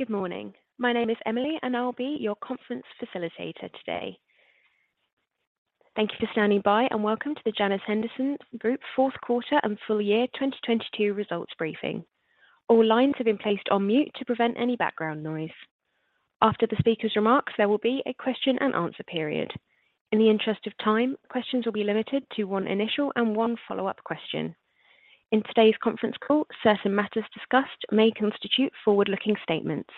Good morning. My name is Emily, and I'll be your conference facilitator today. Thank you for standing by, and welcome to the Janus Henderson Group Q4 and full year 2022 results briefing. All lines have been placed on mute to prevent any background noise. After the speaker's remarks, there will be a question and answer period. In the interest of time, questions will be limited to one initial and one follow-up question. In today's conference call, certain matters discussed may constitute forward-looking statements.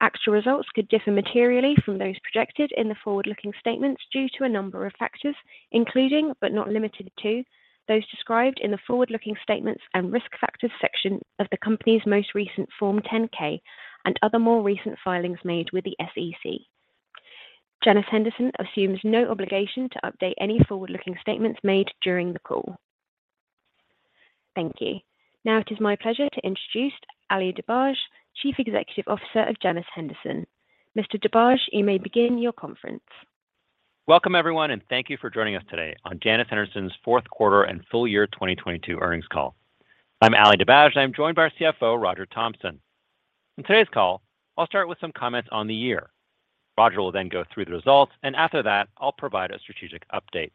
Actual results could differ materially from those projected in the forward-looking statements due to a number of factors, including, but not limited to, those described in the forward-looking statements and risk factors section of the company's most recent Form 10-K and other more recent filings made with the SEC. Janus Henderson assumes no obligation to update any forward-looking statements made during the call. Thank you. Now it is my pleasure to introduce Ali Dibadj, Chief Executive Officer of Janus Henderson. Mr. Dibadj, you may begin your conference. Welcome, everyone, and thank you for joining us today on Janus Henderson's Q4 and full year 2022 earnings call. I'm Ali Dibadj, and I'm joined by our CFO, Roger Thompson. In today's call, I'll start with some comments on the year. Roger will then go through the results, and after that, I'll provide a strategic update.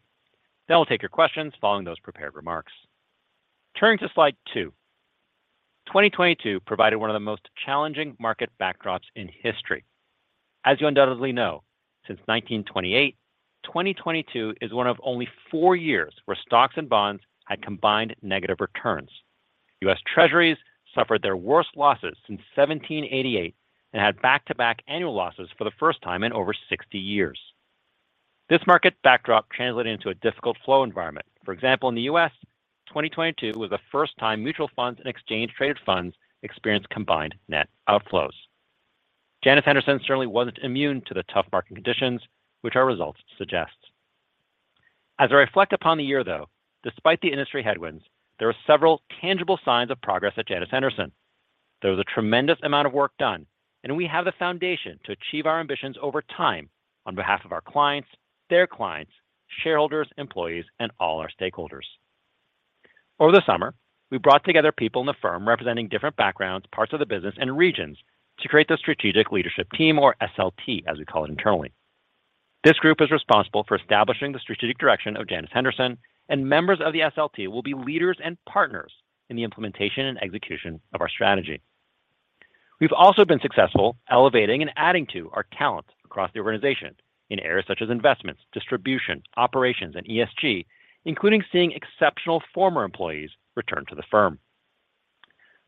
We'll take your questions following those prepared remarks. Turning to slide two. 2022 provided one of the most challenging market backdrops in history. As you undoubtedly know, since 1928, 2022 is one of only four years where stocks and bonds had combined negative returns. US Treasuries suffered their worst losses since 1788 and had back-to-back annual losses for the first time in over 60 years. This market backdrop translated into a difficult flow environment. For example, in the U.S., 2022 was the first time mutual funds and exchange-traded funds experienced combined net outflows. Janus Henderson certainly wasn't immune to the tough market conditions, which our results suggest. As I reflect upon the year, though, despite the industry headwinds, there are several tangible signs of progress at Janus Henderson. There was a tremendous amount of work done, and we have the foundation to achieve our ambitions over time on behalf of our clients, their clients, shareholders, employees, and all our stakeholders. Over the summer, we brought together people in the firm representing different backgrounds, parts of the business, and regions to create the strategic leadership team or SLT, as we call it internally. This group is responsible for establishing the strategic direction of Janus Henderson, and members of the SLT will be leaders and partners in the implementation and execution of our strategy. We've also been successful elevating and adding to our talent across the organization in areas such as investments, distribution, operations, and ESG, including seeing exceptional former employees return to the firm.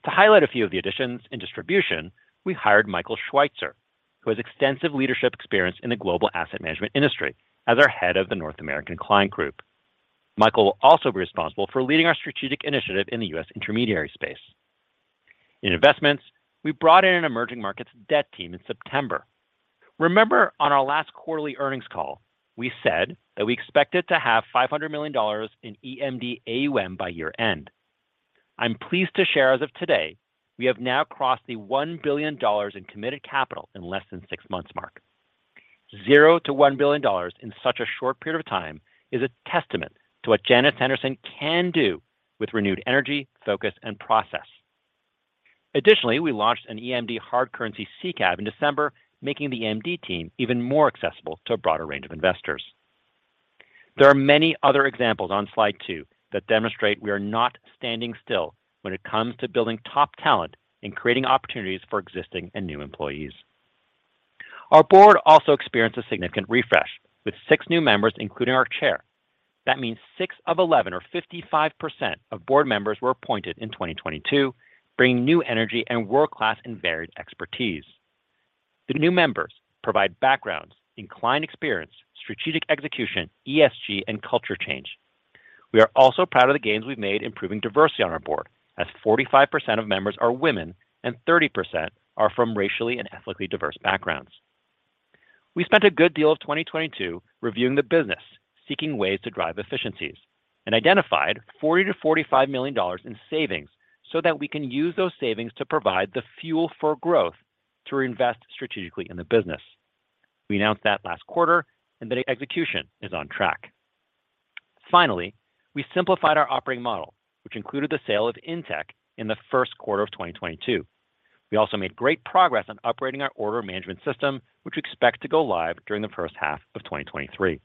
To highlight a few of the additions in distribution, we hired Michael Schweitzer, who has extensive leadership experience in the global asset management industry as our head of the North American Client Group. Michael will also be responsible for leading our strategic initiative in the US intermediary space. In investments, we brought in an emerging markets debt team in September. Remember on our last quarterly earnings call, we said that we expected to have $500 million in EMD AUM by year-end. I'm pleased to share as of today, we have now crossed the $1 billion in committed capital in less than six months mark. $0 to $1 billion in such a short period of time is a testament to what Janus Henderson can do with renewed energy, focus, and process. Additionally, we launched an EMD hard currency CCAP in December, making the EMD team even more accessible to a broader range of investors. There are many other examples on slide two that demonstrate we are not standing still when it comes to building top talent and creating opportunities for existing and new employees. Our board also experienced a significant refresh with six new members, including our chair. That means six of 11 or 55% of board members were appointed in 2022, bringing new energy and world-class and varied expertise. The new members provide backgrounds in client experience, strategic execution, ESG, and culture change. We are also proud of the gains we've made improving diversity on our board, as 45% of members are women and 30% are from racially and ethnically diverse backgrounds. We spent a good deal of 2022 reviewing the business, seeking ways to drive efficiencies, and identified $40-45 million in savings so that we can use those savings to provide the Fuel for Growth to reinvest strategically in the business. The execution is on track. Finally, we simplified our operating model, which included the sale of Intech in the Q1 of 2022. We also made great progress on upgrading our order management system, which we expect to go live during the H1 of 2023.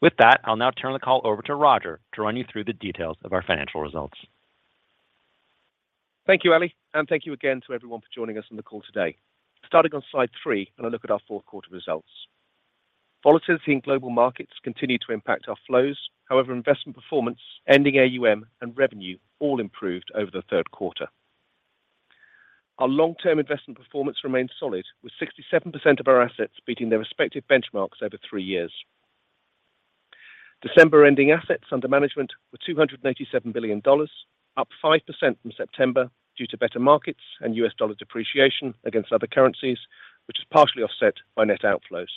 With that, I'll now turn the call over to Roger to run you through the details of our financial results. Thank you, Ali. Thank you again to everyone for joining us on the call today. Starting on slide three, a look at our Q4 results. Volatility in global markets continued to impact our flows. However, investment performance, ending AUM, and revenue all improved over the Q3. Our long-term investment performance remains solid, with 67% of our assets beating their respective benchmarks over three years. December ending assets under management were $287 billion, up 5% from September due to better markets and US dollar depreciation against other currencies, which is partially offset by net outflows.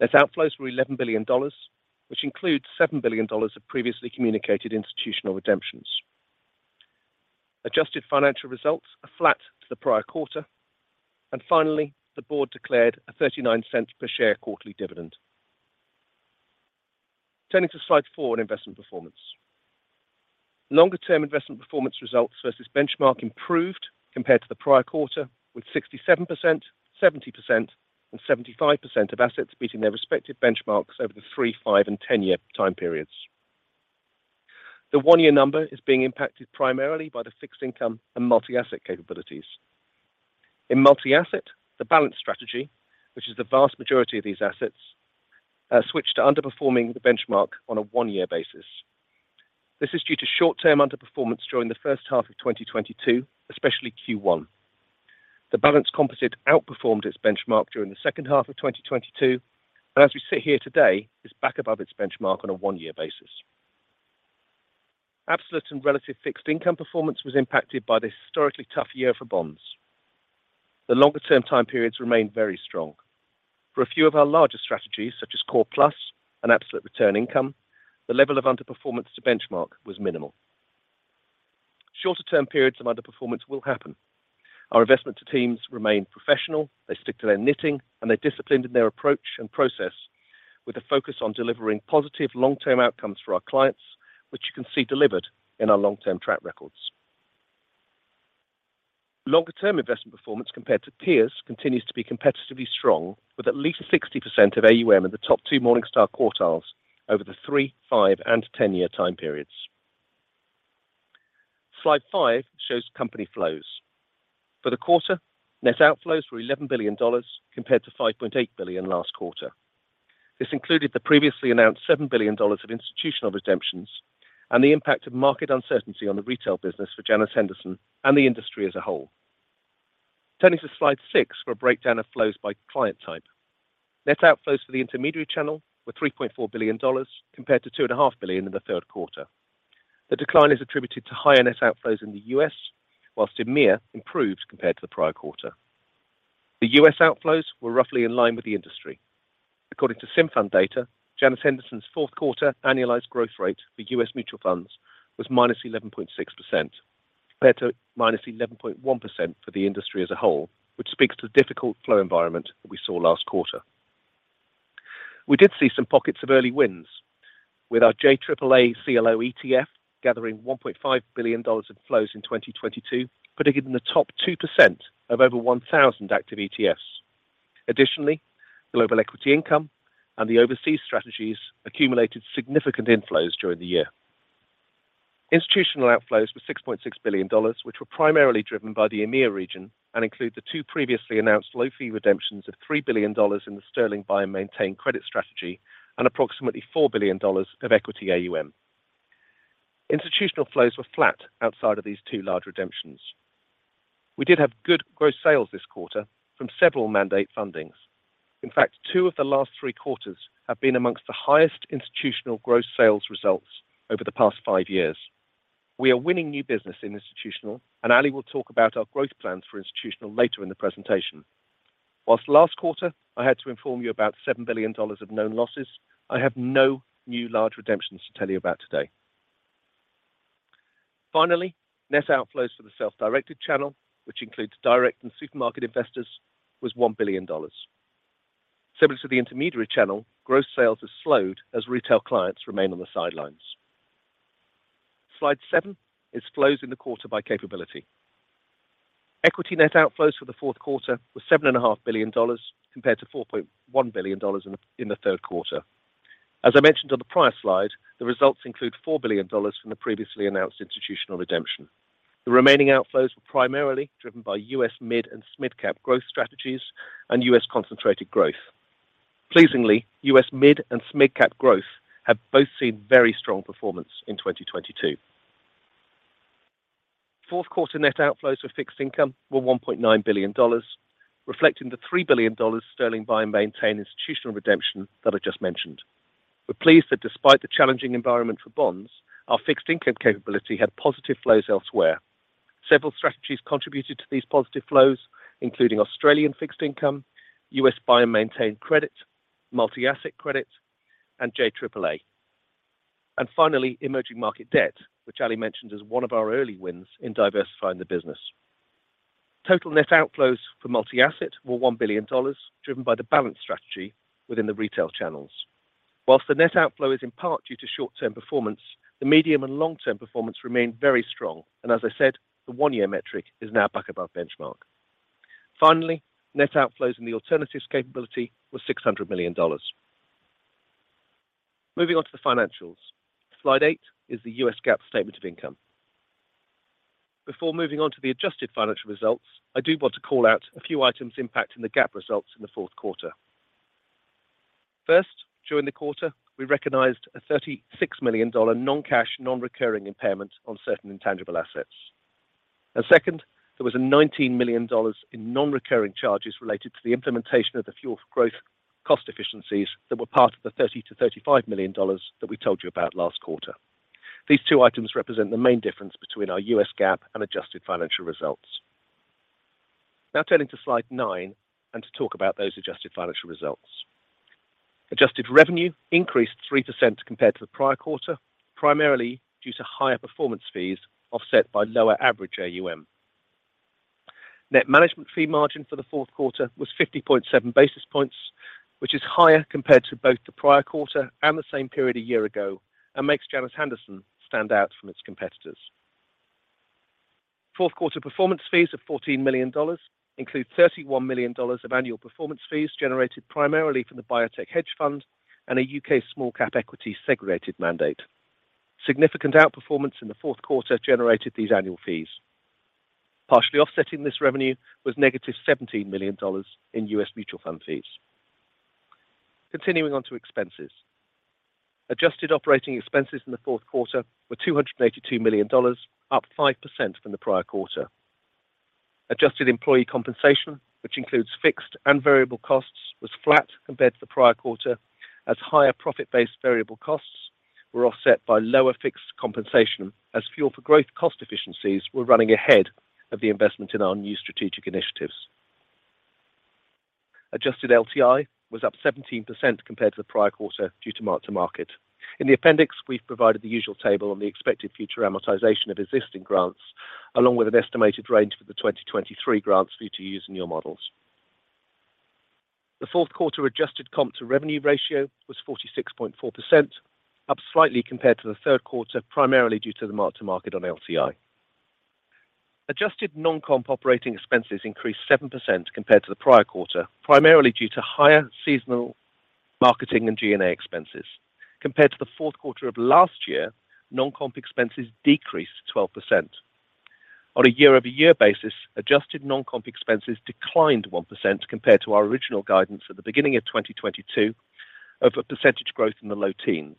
Net outflows were $11 billion, which includes $7 billion of previously communicated institutional redemptions. Adjusted financial results are flat to the prior quarter. Finally, the board declared a $0.39 per share quarterly dividend. Turning to slide four on investment performance. Longer-term investment performance results versus benchmark improved compared to the prior quarter, with 67%, 70% and 75% of assets beating their respective benchmarks over the three, five and 10-year time periods. The one-year number is being impacted primarily by the fixed income and multi-asset capabilities. In multi-asset, the Balanced Strategy, which is the vast majority of these assets, switched to underperforming the benchmark on a one-year basis. This is due to short-term underperformance during the H1 of 2022, especially Q1. The Balanced Composite outperformed its benchmark during the H2 of 2022, and as we sit here today, is back above its benchmark on a one-year basis. Absolute and relative fixed income performance was impacted by this historically tough year for bonds. The longer term time periods remain very strong. For a few of our larger strategies, such as Core Plus and Absolute Return Income, the level of underperformance to benchmark was minimal. Shorter-term periods of underperformance will happen. Our investment teams remain professional, they stick to their knitting, and they're disciplined in their approach and process, with a focus on delivering positive long-term outcomes for our clients, which you can see delivered in our long-term track records. Longer-term investment performance compared to peers continues to be competitively strong, with at least 60% of AUM in the top two Morningstar quartiles over the three, five and 10-year time periods. Slide five shows company flows. For the quarter, net outflows were $11 billion compared to $5.8 billion last quarter. This included the previously announced $7 billion of institutional redemptions and the impact of market uncertainty on the retail business for Janus Henderson and the industry as a whole. Turning to slide six for a breakdown of flows by client type. Net outflows for the intermediary channel were $3.4 billion compared to $2.5 billion in the Q3. The decline is attributed to higher net outflows in the U.S., while EMEA improved compared to the prior quarter. The U.S. outflows were roughly in line with the industry. According to Simfund Data, Janus Henderson's Q4 annualized growth rate for US Mutual Funds was -11.6%, compared to -11.1% for the industry as a whole, which speaks to the difficult flow environment that we saw last quarter. We did see some pockets of early wins with our JAAA CLO ETF gathering $1.5 billion in flows in 2022, putting it in the top 2% of over 1,000 active ETFs. Additionally, Global Equity Income and the Overseas strategies accumulated significant inflows during the year. Institutional outflows were $6.6 billion, which were primarily driven by the EMEA region and include the two previously announced low-fee redemptions of $3 billion in the Sterling Buy and Maintain Credit strategy and approximately $4 billion of equity AUM. Institutional flows were flat outside of these two large redemptions. We did have good gross sales this quarter from several mandate fundings. In fact, two of the last three quarters have been amongst the highest institutional gross sales results over the past five years. We are winning new business in institutional. Ali will talk about our growth plans for institutional later in the presentation. Whilst last quarter, I had to inform you about $7 billion of known losses, I have no new large redemptions to tell you about today. Finally, net outflows for the self-directed channel, which includes direct and supermarket investors, was $1 billion. Similar to the intermediary channel, gross sales have slowed as retail clients remain on the sidelines. Slide seven is flows in the quarter by capability. Equity net outflows for the Q4 were $7.5 billion, compared to $4.1 billion in the Q3. As I mentioned on the prior slide, the results include $4 billion from the previously announced institutional redemption. The remaining outflows were primarily driven by US Mid and SMid Cap Growth strategies and US Concentrated Growth. Pleasingly, US Mid and SMid Cap Growth have both seen very strong performance in 2022. Q4 net outflows for fixed income were $1.9 billion, reflecting the $3 billion Sterling Buy and Maintain institutional redemption that I just mentioned. We're pleased that despite the challenging environment for bonds, our fixed income capability had positive flows elsewhere. Several strategies contributed to these positive flows, including Australian Fixed Income, US Buy and Maintain Credit, Multi-Asset Credit, and JAAA. Finally, Emerging Market Debt, which Ali mentioned as one of our early wins in diversifying the business. Total net outflows for multi-asset were $1 billion, driven by the Balanced Strategy within the retail channels. Whilst the net outflow is in part due to short-term performance, the medium and long-term performance remained very strong. As I said, the one-year metric is now back above benchmark. Finally, net outflows in the alternatives capability were $600 million. Moving on to the financials. Slide eight is the US GAAP statement of income. Before moving on to the adjusted financial results, I do want to call out a few items impacting the GAAP results in the Q4. First, during the quarter, we recognized a $36 million non-cash, non-recurring impairment on certain intangible assets. Second, there was a $19 million in non-recurring charges related to the implementation of the Fuel for Growth cost efficiencies that were part of the $30-35 million that we told you about last quarter. These two items represent the main difference between our U.S. GAAP and adjusted financial results. Now turning to slide nine and to talk about those adjusted financial results. Adjusted revenue increased 3% compared to the prior quarter, primarily due to higher performance fees offset by lower average AUM. Net management fee margin for the Q4 was 50.7 basis points, which is higher compared to both the prior quarter and the same period a year ago and makes Janus Henderson stand out from its competitors. Q4 performance fees of $14 million include $31 million of annual performance fees generated primarily from the biotech hedge fund and a U.K. small cap equity segregated mandate. Significant outperformance in the Q4 generated these annual fees. Partially offsetting this revenue was negative $17 million in US Mutual Fund fees. Continuing on to expenses. Adjusted operating expenses in the Q4 were $282 million, up 5% from the prior quarter. Adjusted employee compensation, which includes fixed and variable costs, was flat compared to the prior quarter as higher profit-based variable costs were offset by lower fixed compensation as Fuel for Growth cost efficiencies were running ahead of the investment in our new strategic initiatives. Adjusted LTI was up 17% compared to the prior quarter due to mark-to-market. In the appendix, we've provided the usual table on the expected future amortization of existing grants, along with an estimated range for the 2023 grants for you to use in your models. The Q4 adjusted comp to revenue ratio was 46.4%, up slightly compared to the Q3, primarily due to the mark-to-market on LTI. Adjusted non-comp operating expenses increased 7% compared to the prior quarter, primarily due to higher seasonal marketing and G&A expenses. Compared to the Q4 of last year, non-comp expenses decreased 12%. On a year-over-year basis, adjusted non-comp expenses declined 1% compared to our original guidance at the beginning of 2022 of a percentage growth in the low teens.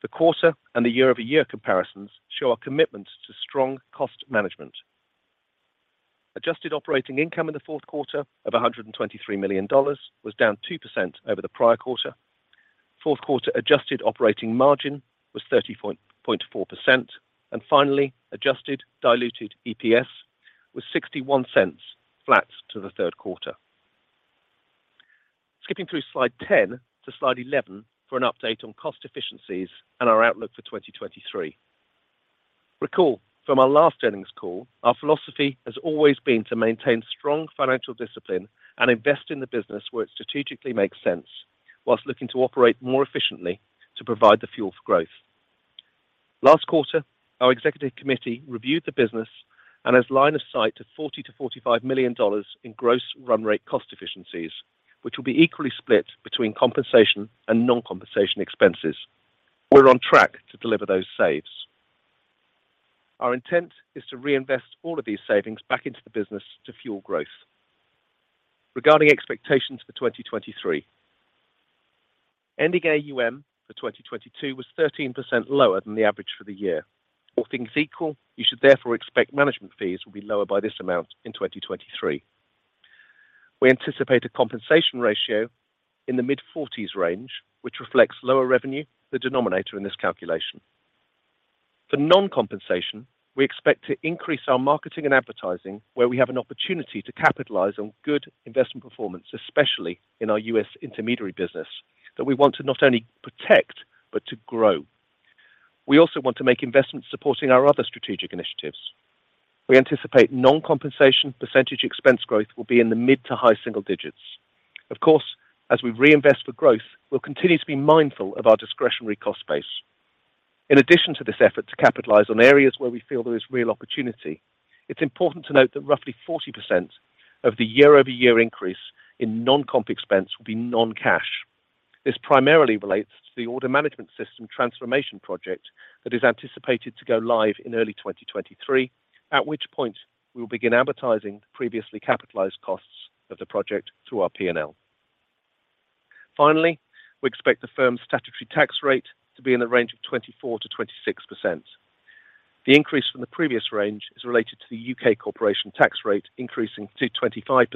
The quarter and the year-over-year comparisons show our commitment to strong cost management. Adjusted operating income in the Q4 of $123 million was down 2% over the prior quarter. Q4 adjusted operating margin was 30.4%. Finally, adjusted diluted EPS was $0.61, flat to the Q3. Skipping through slide 10 to slide 11 for an update on cost efficiencies and our outlook for 2023. Recall from our last earnings call, our philosophy has always been to maintain strong financial discipline and invest in the business where it strategically makes sense whilst looking to operate more efficiently to provide the Fuel for Growth. Last quarter, our executive committee reviewed the business and has line of sight to $40-45 million in gross run rate cost efficiencies, which will be equally split between compensation and non-compensation expenses. We're on track to deliver those saves. Our intent is to reinvest all of these savings back into the business to fuel growth. Regarding expectations for 2023, ending AUM for 2022 was 13% lower than the average for the year. All things equal, you should therefore expect management fees will be lower by this amount in 2023. We anticipate a compensation ratio in the mid-forties range, which reflects lower revenue, the denominator in this calculation. For non-compensation, we expect to increase our marketing and advertising, where we have an opportunity to capitalize on good investment performance, especially in our US intermediary business, that we want to not only protect but to grow. We also want to make investments supporting our other strategic initiatives. We anticipate non-compensation percentage expense growth will be in the mid to high single digits. Of course, as we reinvest for growth, we'll continue to be mindful of our discretionary cost base. In addition to this effort to capitalize on areas where we feel there is real opportunity, it's important to note that roughly 40% of the year-over-year increase in non-comp expense will be non-cash. This primarily relates to the order management system transformation project that is anticipated to go live in early 2023, at which point we will begin amortizing the previously capitalized costs of the project through our P&L. We expect the firm's statutory tax rate to be in the range of 24%-26%. The increase from the previous range is related to the U.K. corporation tax rate increasing to 25%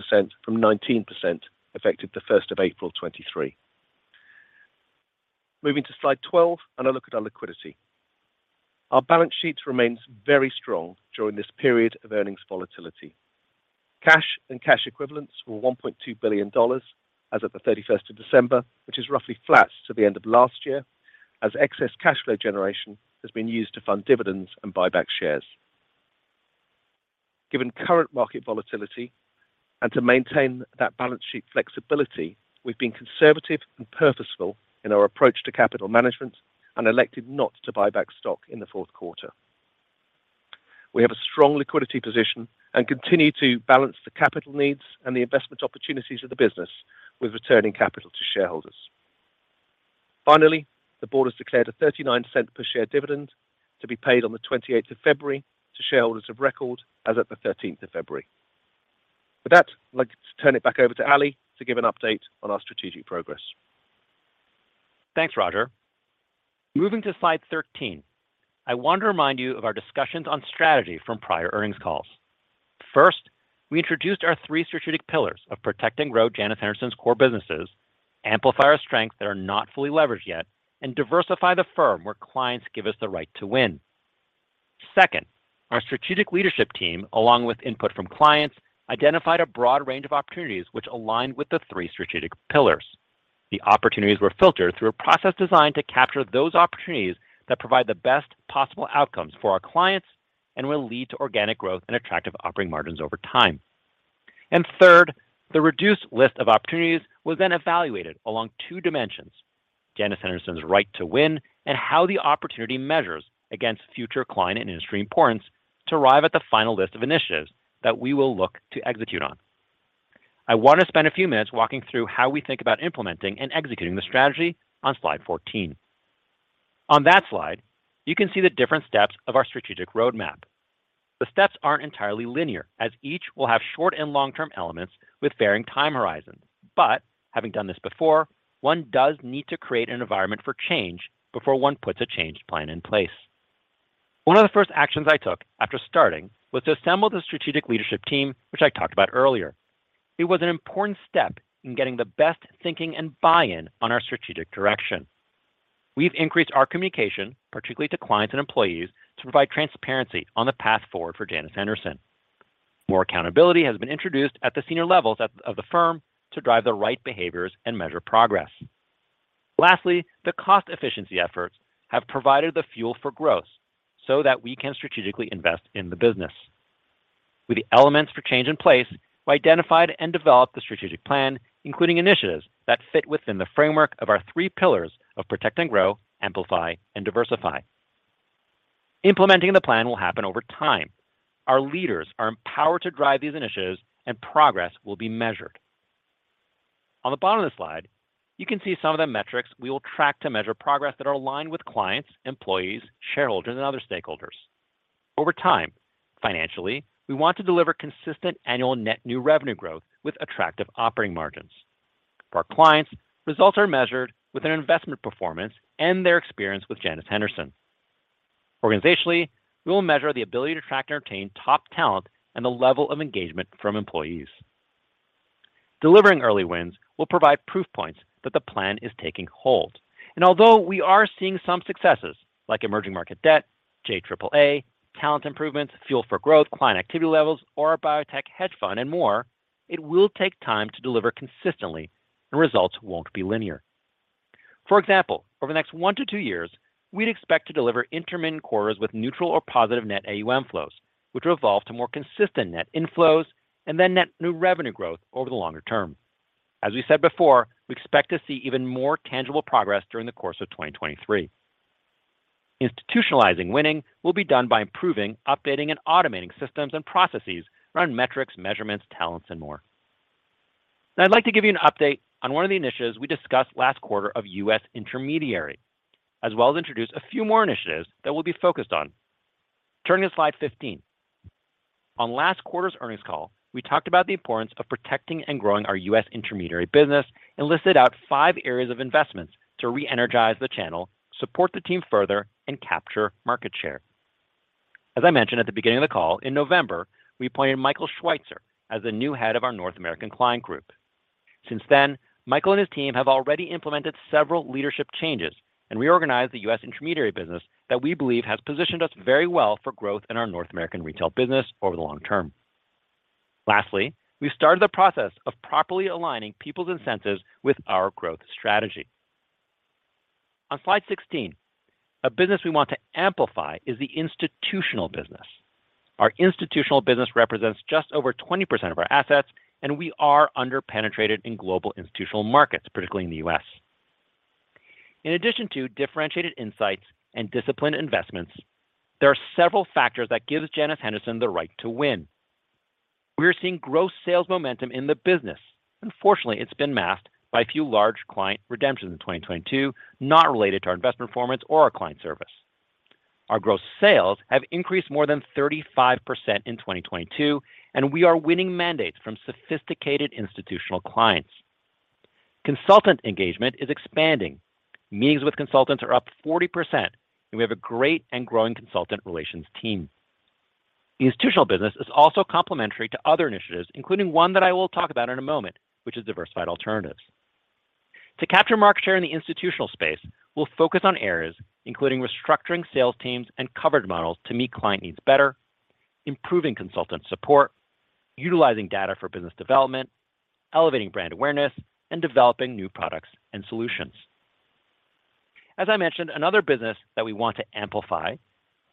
from 19%, effective the 1st of April 2023. Moving to slide 12 and a look at our liquidity. Our balance sheet remains very strong during this period of earnings volatility. Cash and cash equivalents were $1.2 billion as of the 31st of December, which is roughly flat to the end of last year, as excess cash flow generation has been used to fund dividends and buy back shares. Given current market volatility and to maintain that balance sheet flexibility, we've been conservative and purposeful in our approach to capital management and elected not to buy back stock in the Q4. We have a strong liquidity position and continue to balance the capital needs and the investment opportunities of the business with returning capital to shareholders. The board has declared a $0.39 per share dividend to be paid on the 28th of February to shareholders of record as of the 13th of February. I'd like to turn it back over to Ali to give an update on our strategic progress. Thanks, Roger. Moving to slide 13, I want to remind you of our discussions on strategy from prior earnings calls. First, we introduced our three strategic pillars of protect and grow Janus Henderson's core businesses, amplify our strengths that are not fully leveraged yet, and diversify the firm where clients give us the Right to Win. Second, our Strategic Leadership Team, along with input from clients, identified a broad range of opportunities which align with the three strategic pillars. The opportunities were filtered through a process designed to capture those opportunities that provide the best possible outcomes for our clients and will lead to organic growth and attractive operating margins over time. Third, the reduced list of opportunities was then evaluated along two dimensions: Janus Henderson's Right to Win and how the opportunity measures against future client and industry importance to arrive at the final list of initiatives that we will look to execute on. I want to spend a few minutes walking through how we think about implementing and executing the strategy on slide 14. On that slide, you can see the different steps of our strategic roadmap. The steps aren't entirely linear, as each will have short and long-term elements with varying time horizons. Having done this before, one does need to create an environment for change before one puts a change plan in place. One of the first actions I took after starting was to assemble the strategic leadership team, which I talked about earlier. It was an important step in getting the best thinking and buy-in on our strategic direction. We've increased our communication, particularly to clients and employees, to provide transparency on the path forward for Janus Henderson. More accountability has been introduced at the senior levels of the firm to drive the right behaviors and measure progress. The cost efficiency efforts have provided the Fuel for Growth so that we can strategically invest in the business. With the elements for change in place, we identified and developed the strategic plan, including initiatives that fit within the framework of our three pillars of protect and grow, amplify, and diversify. Implementing the plan will happen over time. Our leaders are empowered to drive these initiatives, and progress will be measured. On the bottom of the slide, you can see some of the metrics we will track to measure progress that are aligned with clients, employees, shareholders, and other stakeholders. Over time, financially, we want to deliver consistent annual net new revenue growth with attractive operating margins. For our clients, results are measured with an investment performance and their experience with Janus Henderson. Organizationally, we will measure the ability to attract and retain top talent and the level of engagement from employees. Delivering early wins will provide proof points that the plan is taking hold. Although we are seeing some successes like Emerging Market Debt, JAAA, talent improvements, Fuel for Growth, client activity levels, or our biotech hedge fund and more, it will take time to deliver consistently, and results won't be linear. For example, over the next one to two years, we'd expect to deliver intermittent quarters with neutral or positive net AUM flows, which will evolve to more consistent net inflows and then net new revenue growth over the longer term. As we said before, we expect to see even more tangible progress during the course of 2023. Institutionalizing winning will be done by improving, updating, and automating systems and processes around metrics, measurements, talents, and more. I'd like to give you an update on one of the initiatives we discussed last quarter of US intermediary, as well as introduce a few more initiatives that we'll be focused on. Turning to slide 15. On last quarter's earnings call, we talked about the importance of protecting and growing our US intermediary business and listed out five areas of investments to re-energize the channel, support the team further, and capture market share. As I mentioned at the beginning of the call, in November, we appointed Michael Schweitzer as the new head of our North American Client Group. Since then, Michael and his team have already implemented several leadership changes and reorganized the US intermediary business that we believe has positioned us very well for growth in our North American retail business over the long term. Lastly, we started the process of properly aligning people's incentives with our growth strategy. On slide 16, a business we want to amplify is the institutional business. Our institutional business represents just over 20% of our assets, and we are under-penetrated in global institutional markets, particularly in the U.S. In addition to differentiated insights and disciplined investments, there are several factors that gives Janus Henderson the Right to Win. We are seeing gross sales momentum in the business. Unfortunately, it's been masked by a few large client redemptions in 2022, not related to our investment performance or our client service. Our gross sales have increased more than 35% in 2022. We are winning mandates from sophisticated institutional clients. Consultant engagement is expanding. Meetings with consultants are up 40%. We have a great and growing consultant relations team. The institutional business is also complementary to other initiatives, including one that I will talk about in a moment, which is Diversified Alternatives. To capture market share in the institutional space, we'll focus on areas including restructuring sales teams and coverage models to meet client needs better, improving consultant support, utilizing data for business development, elevating brand awareness, and developing new products and solutions. As I mentioned, another business that we want to amplify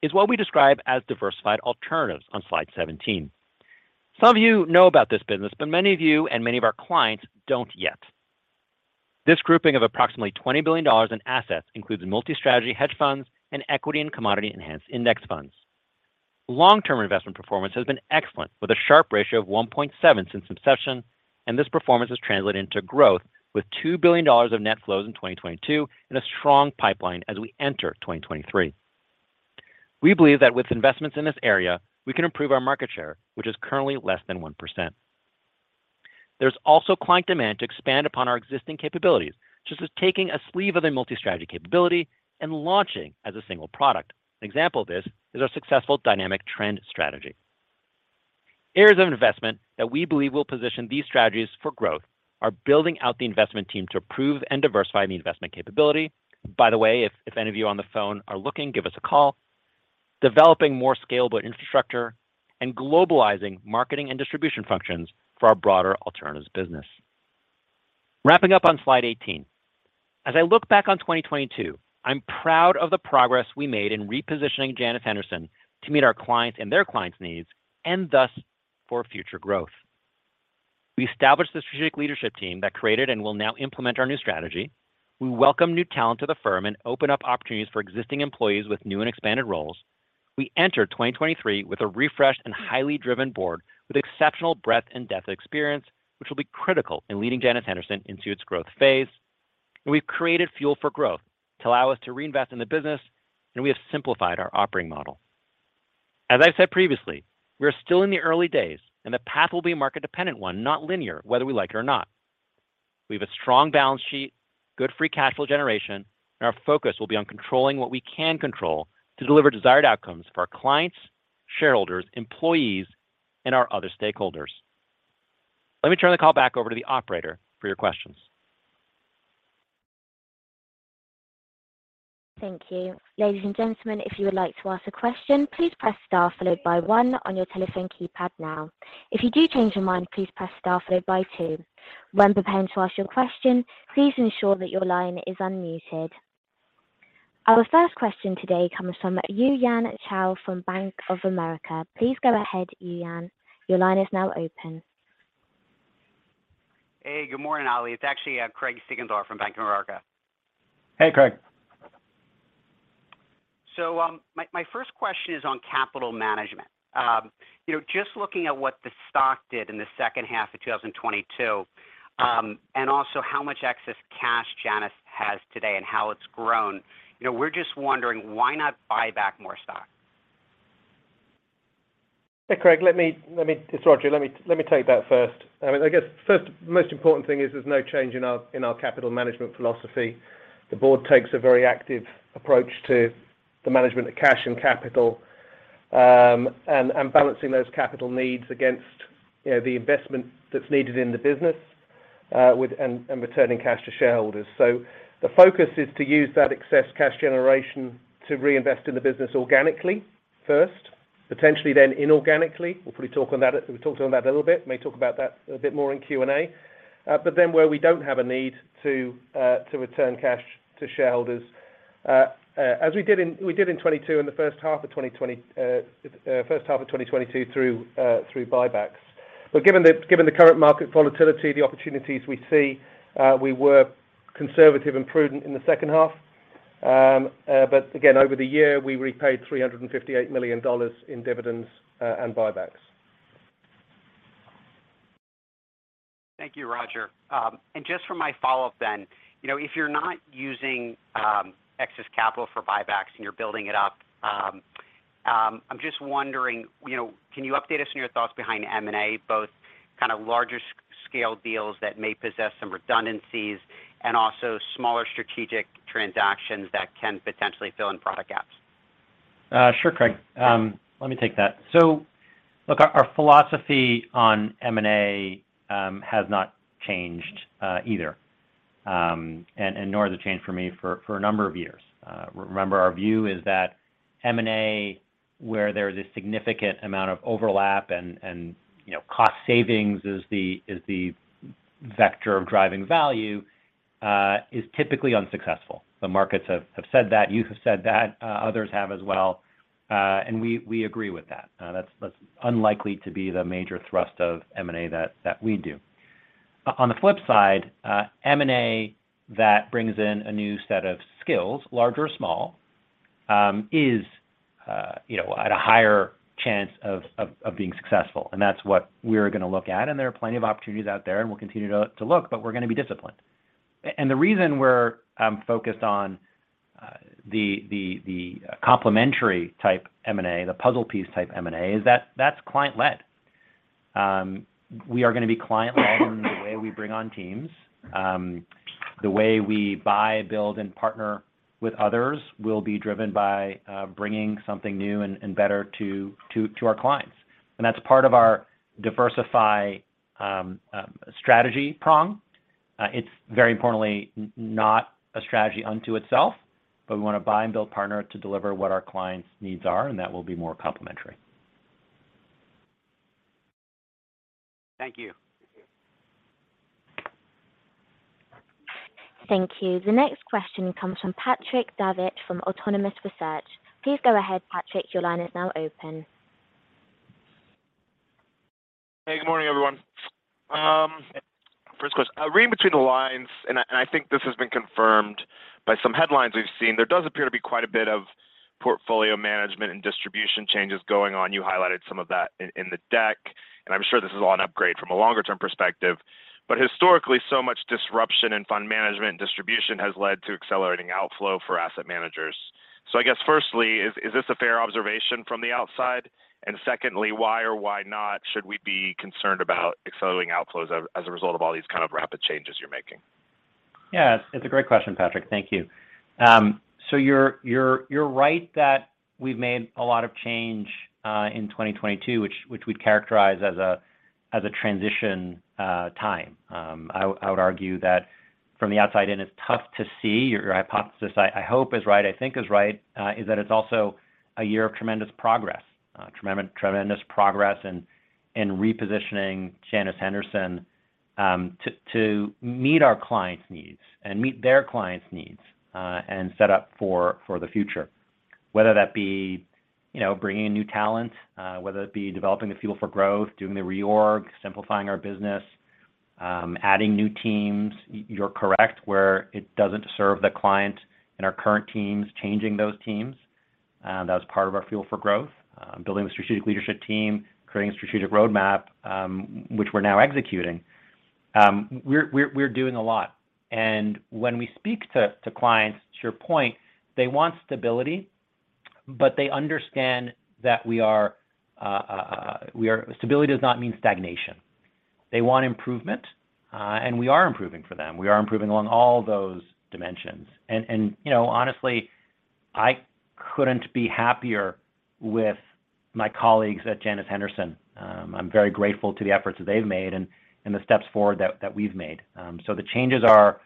is what we describe as Diversified Alternatives on slide 17. Some of you know about this business, many of you and many of our clients don't yet. This grouping of approximately $20 billion in assets includes Multi-Strategy Hedge Funds and Equity and Commodity Enhanced Index Funds. Long-term investment performance has been excellent, with a Sharpe Ratio of 1.7 since inception, this performance has translated into growth with $2 billion of net flows in 2022 and a strong pipeline as we enter 2023. We believe that with investments in this area, we can improve our market share, which is currently less than 1%. There's also client demand to expand upon our existing capabilities, such as taking a sleeve of a multi-strategy capability and launching as a single product. An example of this is our successful Dynamic Trend strategy. Areas of investment that we believe will position these strategies for growth are building out the investment team to improve and diversify the investment capability. By the way, if any of you on the phone are looking, give us a call. Developing more scalable infrastructure and globalizing marketing and distribution functions for our broader alternatives business. Wrapping up on slide 18. As I look back on 2022, I'm proud of the progress we made in repositioning Janus Henderson to meet our clients' and their clients' needs and thus for future growth. We established the strategic leadership team that created and will now implement our new strategy. We welcome new talent to the firm and open up opportunities for existing employees with new and expanded roles. We enter 2023 with a refreshed and highly driven board with exceptional breadth and depth of experience, which will be critical in leading Janus Henderson into its growth phase. We've created Fuel for Growth to allow us to reinvest in the business, and we have simplified our operating model. As I said previously, we are still in the early days, and the path will be a market-dependent one, not linear, whether we like it or not. We have a strong balance sheet, good free cash flow generation, and our focus will be on controlling what we can control to deliver desired outcomes for our clients, shareholders, employees, and our other stakeholders. Let me turn the call back over to the operator for your questions. Thank you. Ladies and gentlemen, if you would like to ask a question, please press star followed by one on your telephone keypad now. If you do change your mind, please press star followed by two. When preparing to ask your question, please ensure that your line is unmuted. Our first question today comes from Ebrahim Poonawala from Bank of America. Please go ahead, Yuyan. Your line is now open. Hey, good morning, Ali. It's actually, Craig Siegenthaler from Bank of America. Hey, Craig. My first question is on capital management. You know, just looking at what the stock did in the H2 of 2022, and also how much excess cash Janus has today and how it's grown. You know, we're just wondering why not buy back more stock? Hey, Craig. Let me. It's Roger. Let me take that first. I mean, I guess first, most important thing is there's no change in our capital management philosophy. The board takes a very active approach to the management of cash and capital, and balancing those capital needs against, you know, the investment that's needed in the business, and returning cash to shareholders. The focus is to use that excess cash generation to reinvest in the business organically first, potentially then inorganically. We talked on that a little bit, may talk about that a bit more in Q&A. Where we don't have a need to return cash to shareholders, as we did in 2022, in the H1 of 2022 through buybacks. Given the current market volatility, the opportunities we see, we were conservative and prudent in the H2. Again, over the year, we repaid $358 million in dividends and buybacks. Thank you, Roger. Just for my follow-up then, you know, if you're not using excess capital for buybacks and you're building it up, I'm just wondering, you know, can you update us on your thoughts behind M&A, both kind of larger scale deals that may possess some redundancies and also smaller strategic transactions that can potentially fill in product gaps? Sure, Craig. Let me take that. Look, our philosophy on M&A has not changed either, and nor has it changed for me for a number of years. Remember, our view is that M&A, where there's a significant amount of overlap and, you know, cost savings is the vector of driving value, is typically unsuccessful. The markets have said that. You have said that. Others have as well. We agree with that. That's unlikely to be the major thrust of M&A that we do. On the flip side, M&A that brings in a new set of skills, large or small, is, you know, at a higher chance of being successful, and that's what we're gonna look at, and there are plenty of opportunities out there, and we'll continue to look, but we're gonna be disciplined. The reason we're focused on the complimentary type M&A, the puzzle piece type M&A, is that that's client-led. We are gonna be client-led in the way we bring on teams. The way we buy, build, and partner with others will be driven by bringing something new and better to our clients, and that's part of our diversify strategy prong. it's very importantly not a strategy unto itself, but we wanna buy and build partner to deliver what our clients' needs are, and that will be more complementary. Thank you. Thank you. The next question comes from Patrick Davitt from Autonomous Research. Please go ahead, Patrick. Your line is now open. Good morning, everyone. First question. Reading between the lines, I think this has been confirmed by some headlines we've seen, there does appear to be quite a bit of portfolio management and distribution changes going on. You highlighted some of that in the deck, I'm sure this is all an upgrade from a longer-term perspective. Historically, so much disruption in fund management and distribution has led to accelerating outflow for asset managers. I guess firstly, is this a fair observation from the outside? Secondly, why or why not should we be concerned about accelerating outflows as a result of all these kind of rapid changes you're making? Yeah. It's a great question, Patrick. Thank you. You're right that we've made a lot of change in 2022, which we'd characterize as a transition time. I would argue that from the outside in, it's tough to see your hypothesis. I hope is right, I think is right, is that it's also a year of tremendous progress. Tremendous progress and repositioning Janus Henderson to meet our clients' needs and meet their clients' needs and set up for the future. Whether that be, you know, bringing in new talent, whether it be developing the Fuel for Growth, doing the reorg, simplifying our business, adding new teams. You're correct, where it doesn't serve the client and our current teams, changing those teams, that was part of our Fuel for Growth. Building strategic leadership team, creating a strategic roadmap, which we're now executing. We're doing a lot. When we speak to clients, to your point, they want stability, but they understand that stability does not mean stagnation. They want improvement, and we are improving for them. We are improving along all those dimensions. You know, honestly, I couldn't be happier with my colleagues at Janus Henderson. I'm very grateful to the efforts that they've made and the steps forward that we've made. The changes are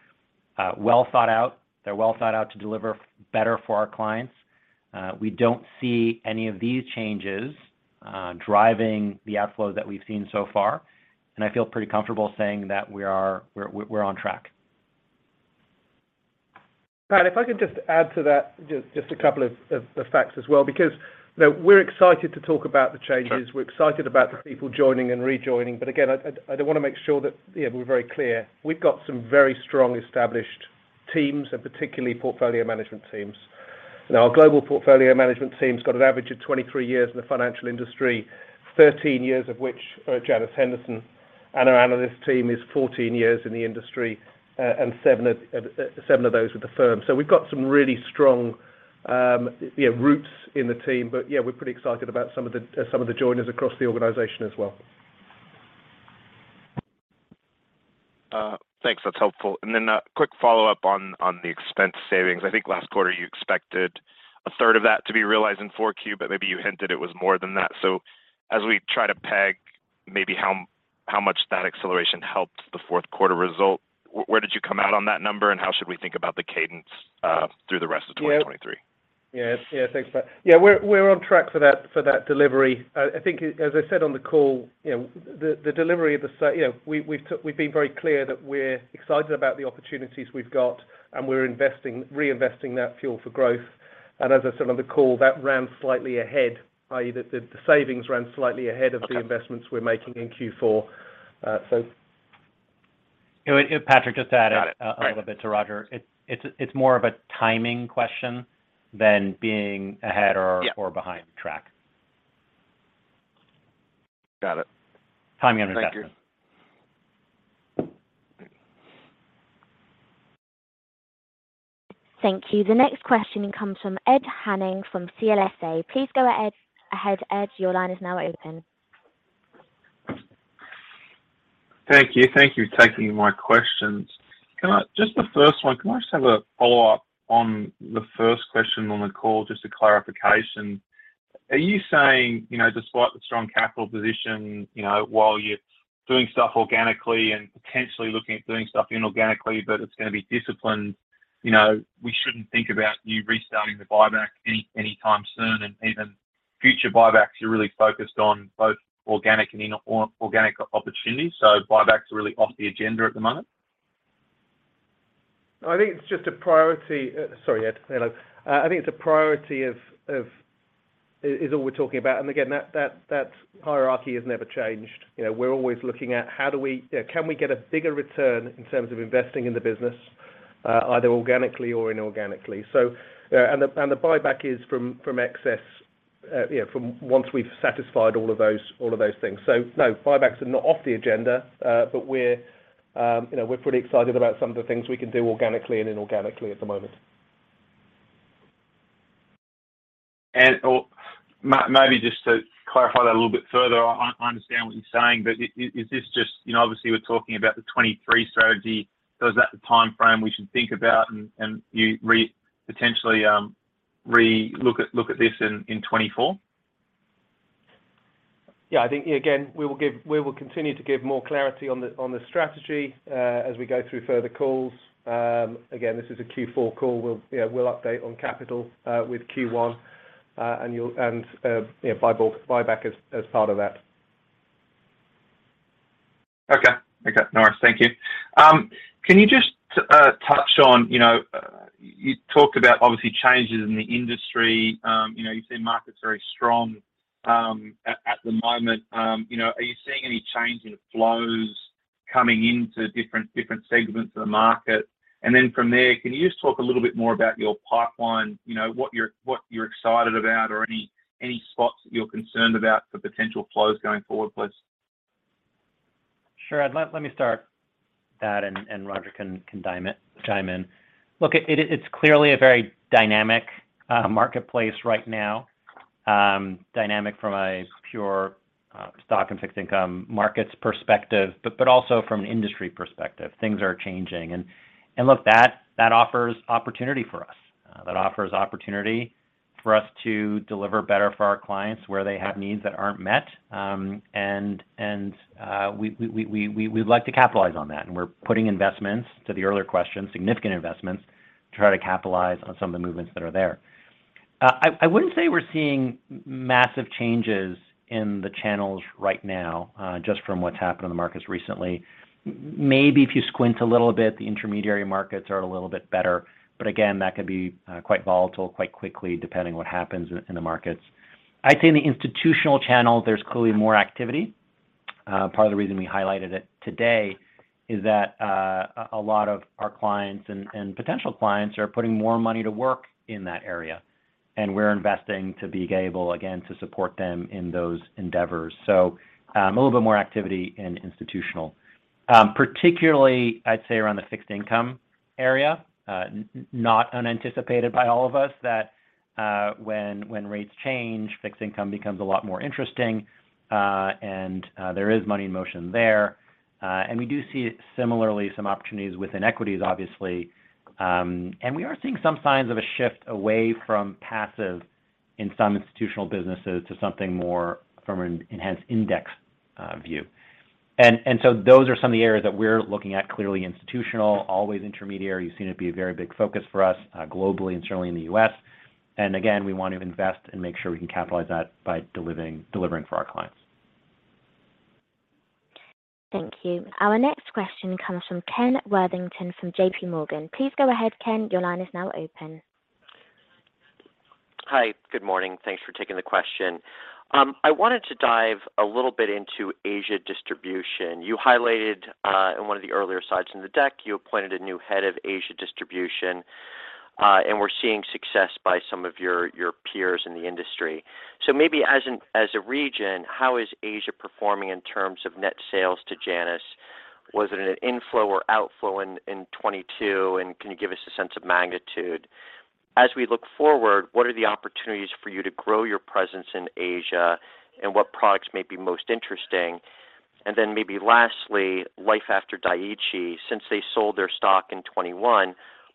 well thought out. They're well thought out to deliver better for our clients. We don't see any of these changes driving the outflows that we've seen so far, and I feel pretty comfortable saying that we're on track. Pat, if I could just add to that just a couple of facts as well, because, you know, we're excited to talk about the changes. Sure. We're excited about the people joining and rejoining. Again, I do want to make sure that, yeah, we're very clear. We've got some very strong established teams and particularly portfolio management teams. Our global portfolio management team's got an average of 23 years in the financial industry, 13 years of which are at Janus Henderson, and our analyst team is 14 years in the industry, and seven of those with the firm. We've got some really strong, you know, roots in the team. Yeah, we're pretty excited about some of the joiners across the organization as well. Thanks. That's helpful. A quick follow-up on the expense savings. I think last quarter you expected a third of that to be realized in Q4, but maybe you hinted it was more than that. As we try to peg maybe how much that acceleration helped the Q4 result, where did you come out on that number, and how should we think about the cadence through the rest of 2023? Yeah. Yeah. Yeah, thanks, Pat. Yeah, we're on track for that delivery. I think as I said on the call, you know, the delivery of, you know, we've been very clear that we're excited about the opportunities we've got, and we're investing, reinvesting that Fuel for Growth. As I said on the call, that ran slightly ahead, i.e., the savings ran slightly ahead. Okay of the investments we're making in Q4. You know what, Patrick, just to add a little bit to Roger. Got it. All right. It's more of a timing question than being ahead. Yeah... or behind track. Got it. Timing investment. Thank you. Thank you. The next question comes from Ed Henning from CLSA. Please go, Ed, ahead, Ed. Your line is now open. Thank you. Thank you for taking my questions. Can I just the first one, can I just have a follow-up on the first question on the call, just a clarification. Are you saying, you know, despite the strong capital position, you know, while you're doing stuff organically and potentially looking at doing stuff inorganically, but it's gonna be disciplined, you know, we shouldn't think about you restarting the buyback anytime soon, and even future buybacks, you're really focused on both organic and inorganic opportunities. Buybacks are really off the agenda at the moment? I think it's just a priority. Sorry, Ed. Hello. I think it's a priority of is all we're talking about. Again, that hierarchy has never changed. You know, we're always looking at how can we get a bigger return in terms of investing in the business, either organically or inorganically. And the buyback is from excess, you know, from once we've satisfied all of those things. No, buybacks are not off the agenda, but we're, you know, we're pretty excited about some of the things we can do organically and inorganically at the moment. Maybe just to clarify that a little bit further, I understand what you're saying, but is this just, you know, obviously we're talking about the 23 strategy? Is that the time frame we should think about and you potentially look at this in 24? Yeah, I think again, we will continue to give more clarity on the strategy as we go through further calls. Again, this is a Q4 call. We'll, you know, update on capital with Q1, and you'll, you know, buyback as part of that. Okay. Okay, all right. Thank you. Can you just touch on, you know, you talked about obviously changes in the industry. You know, you've seen markets very strong at the moment. You know, are you seeing any change in flows coming into different segments of the market? From there, can you just talk a little bit more about your pipeline? You know, what you're, what you're excited about or any spots that you're concerned about for potential flows going forward, please? Sure, Ed. Let me start that and Roger can chime in. Look, it's clearly a very dynamic marketplace right now. Dynamic from a pure stock and fixed income markets perspective, but also from an industry perspective. Things are changing. And look, that offers opportunity for us. That offers opportunity for us to deliver better for our clients where they have needs that aren't met, and we'd like to capitalize on that. We're putting investments, to the earlier question, significant investments, to try to capitalize on some of the movements that are there. I wouldn't say we're seeing massive changes in the channels right now, just from what's happened in the markets recently. Maybe if you squint a little bit, the intermediary markets are a little bit better, again, that could be quite volatile quite quickly, depending what happens in the markets. I'd say in the institutional channel, there's clearly more activity. Part of the reason we highlighted it today is that a lot of our clients and potential clients are putting more money to work in that area, we're investing to be able, again, to support them in those endeavors. A little bit more activity in institutional. Particularly I'd say around the fixed income area. Not unanticipated by all of us that when rates change, fixed income becomes a lot more interesting, and there is money in motion there. We do see similarly some opportunities within equities, obviously. We are seeing some signs of a shift away from passive in some institutional businesses to something more from an enhanced index view. Those are some of the areas that we're looking at, clearly institutional, always intermediary. You've seen it be a very big focus for us, globally and certainly in the U.S. Again, we want to invest and make sure we can capitalize that by delivering for our clients. Thank you. Our next question comes from Kenneth Worthington from JPMorgan. Please go ahead, Ken. Your line is now open. Hi. Good morning. Thanks for taking the question. I wanted to dive a little bit into Asia distribution. You highlighted in one of the earlier slides in the deck, you appointed a new head of Asia distribution, and we're seeing success by some of your peers in the industry. Maybe as a region, how is Asia performing in terms of net sales to Janus? Was it an inflow or outflow in 2022, and can you give us a sense of magnitude? As we look forward, what are the opportunities for you to grow your presence in Asia, and what products may be most interesting? Maybe lastly, life after Dai-ichi. Since they sold their stock in 2021,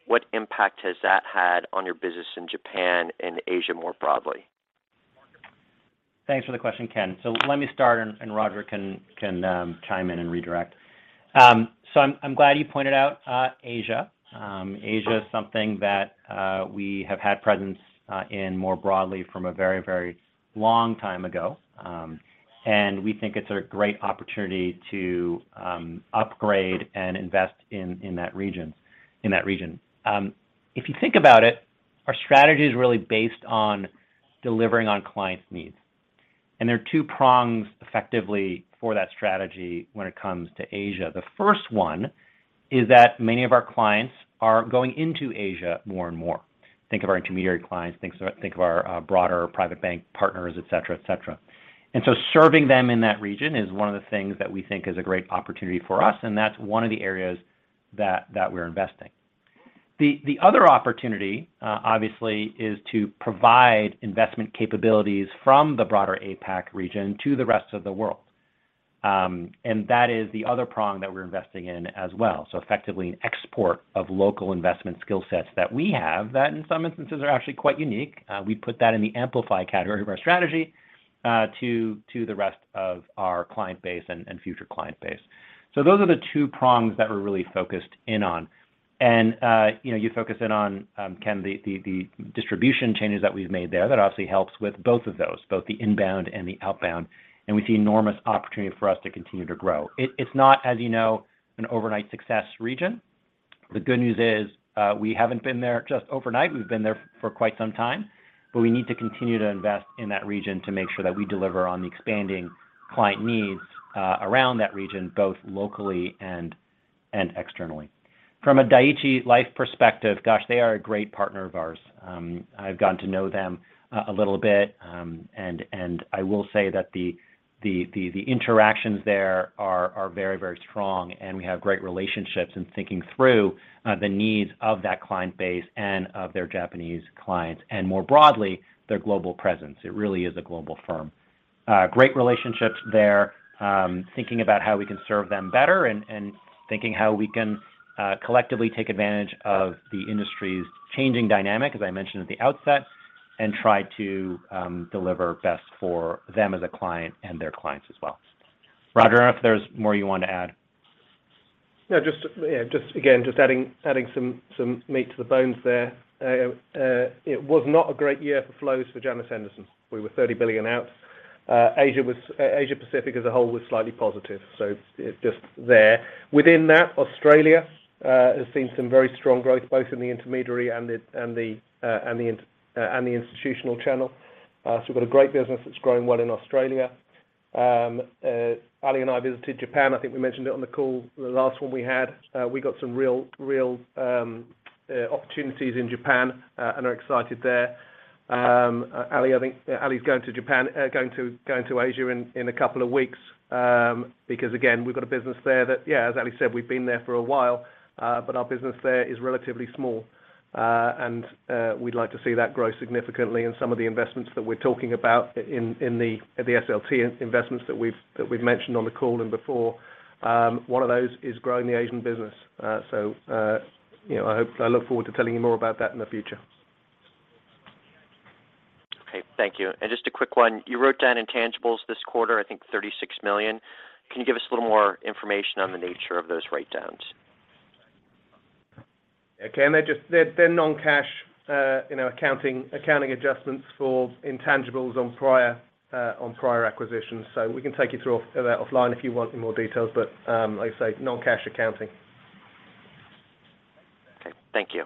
what impact has that had on your business in Japan and Asia more broadly? Thanks for the question, Ken. Let me start and Roger can chime in and redirect. I'm glad you pointed out Asia. Asia is something that we have had presence in more broadly from a very long time ago. We think it's a great opportunity to upgrade and invest in that region. If you think about it, our strategy is really based on delivering on clients' needs. There are two prongs effectively for that strategy when it comes to Asia. The first one is that many of our clients are going into Asia more and more. Think of our intermediary clients, think of our broader private bank partners, et cetera. Serving them in that region is one of the things that we think is a great opportunity for us, and that's one of the areas that we're investing. The other opportunity, obviously, is to provide investment capabilities from the broader APAC region to the rest of the world. That is the other prong that we're investing in as well. Effectively, an export of local investment skill sets that we have that in some instances are actually quite unique. We put that in the amplify category of our strategy to the rest of our client base and future client base. Those are the two prongs that we're really focused in on. You know, you focus in on Ken, the distribution changes that we've made there. That obviously helps with both of those, both the inbound and the outbound. We see enormous opportunity for us to continue to grow. It's not, as you know, an overnight success region. The good news is, we haven't been there just overnight. We've been there for quite some time, but we need to continue to invest in that region to make sure that we deliver on the expanding client needs around that region, both locally and externally. From a Dai-ichi Life perspective, gosh, they are a great partner of ours. I've gotten to know them a little bit, and I will say that the interactions there are very, very strong and we have great relationships in thinking through the needs of that client base and of their Japanese clients, and more broadly, their global presence. It really is a global firm. Great relationships there. Thinking about how we can serve them better and thinking how we can, collectively take advantage of the industry's changing dynamic, as I mentioned at the outset, and try to, deliver best for them as a client and their clients as well. Roger, I don't know if there's more you want to add. No, just again, adding some meat to the bones there. It was not a great year for flows for Janus Henderson. We were $30 billion out. Asia Pacific as a whole was slightly positive, it's just there. Within that, Australia has seen some very strong growth, both in the intermediary and the institutional channel. We've got a great business that's growing well in Australia. Ali and I visited Japan. I think we mentioned it on the call, the last one we had. We got some real opportunities in Japan, are excited there. Ali, I think, Ali's going to Japan, going to, going to Asia in a couple of weeks, because again, we've got a business there that, as Ali said, we've been there for a while, but our business there is relatively small. We'd like to see that grow significantly. Some of the investments that we're talking about in the SLT investments that we've, that we've mentioned on the call and before, one of those is growing the Asian business. I look forward to telling you more about that in the future. Thank you. Just a quick one. You wrote down intangibles this quarter, I think $36 million. Can you give us a little more information on the nature of those writedowns? Okay. They're non-cash, you know, accounting adjustments for intangibles on prior acquisitions. We can take you through of that offline if you want any more details. Like I say, non-cash accounting. Okay. Thank you.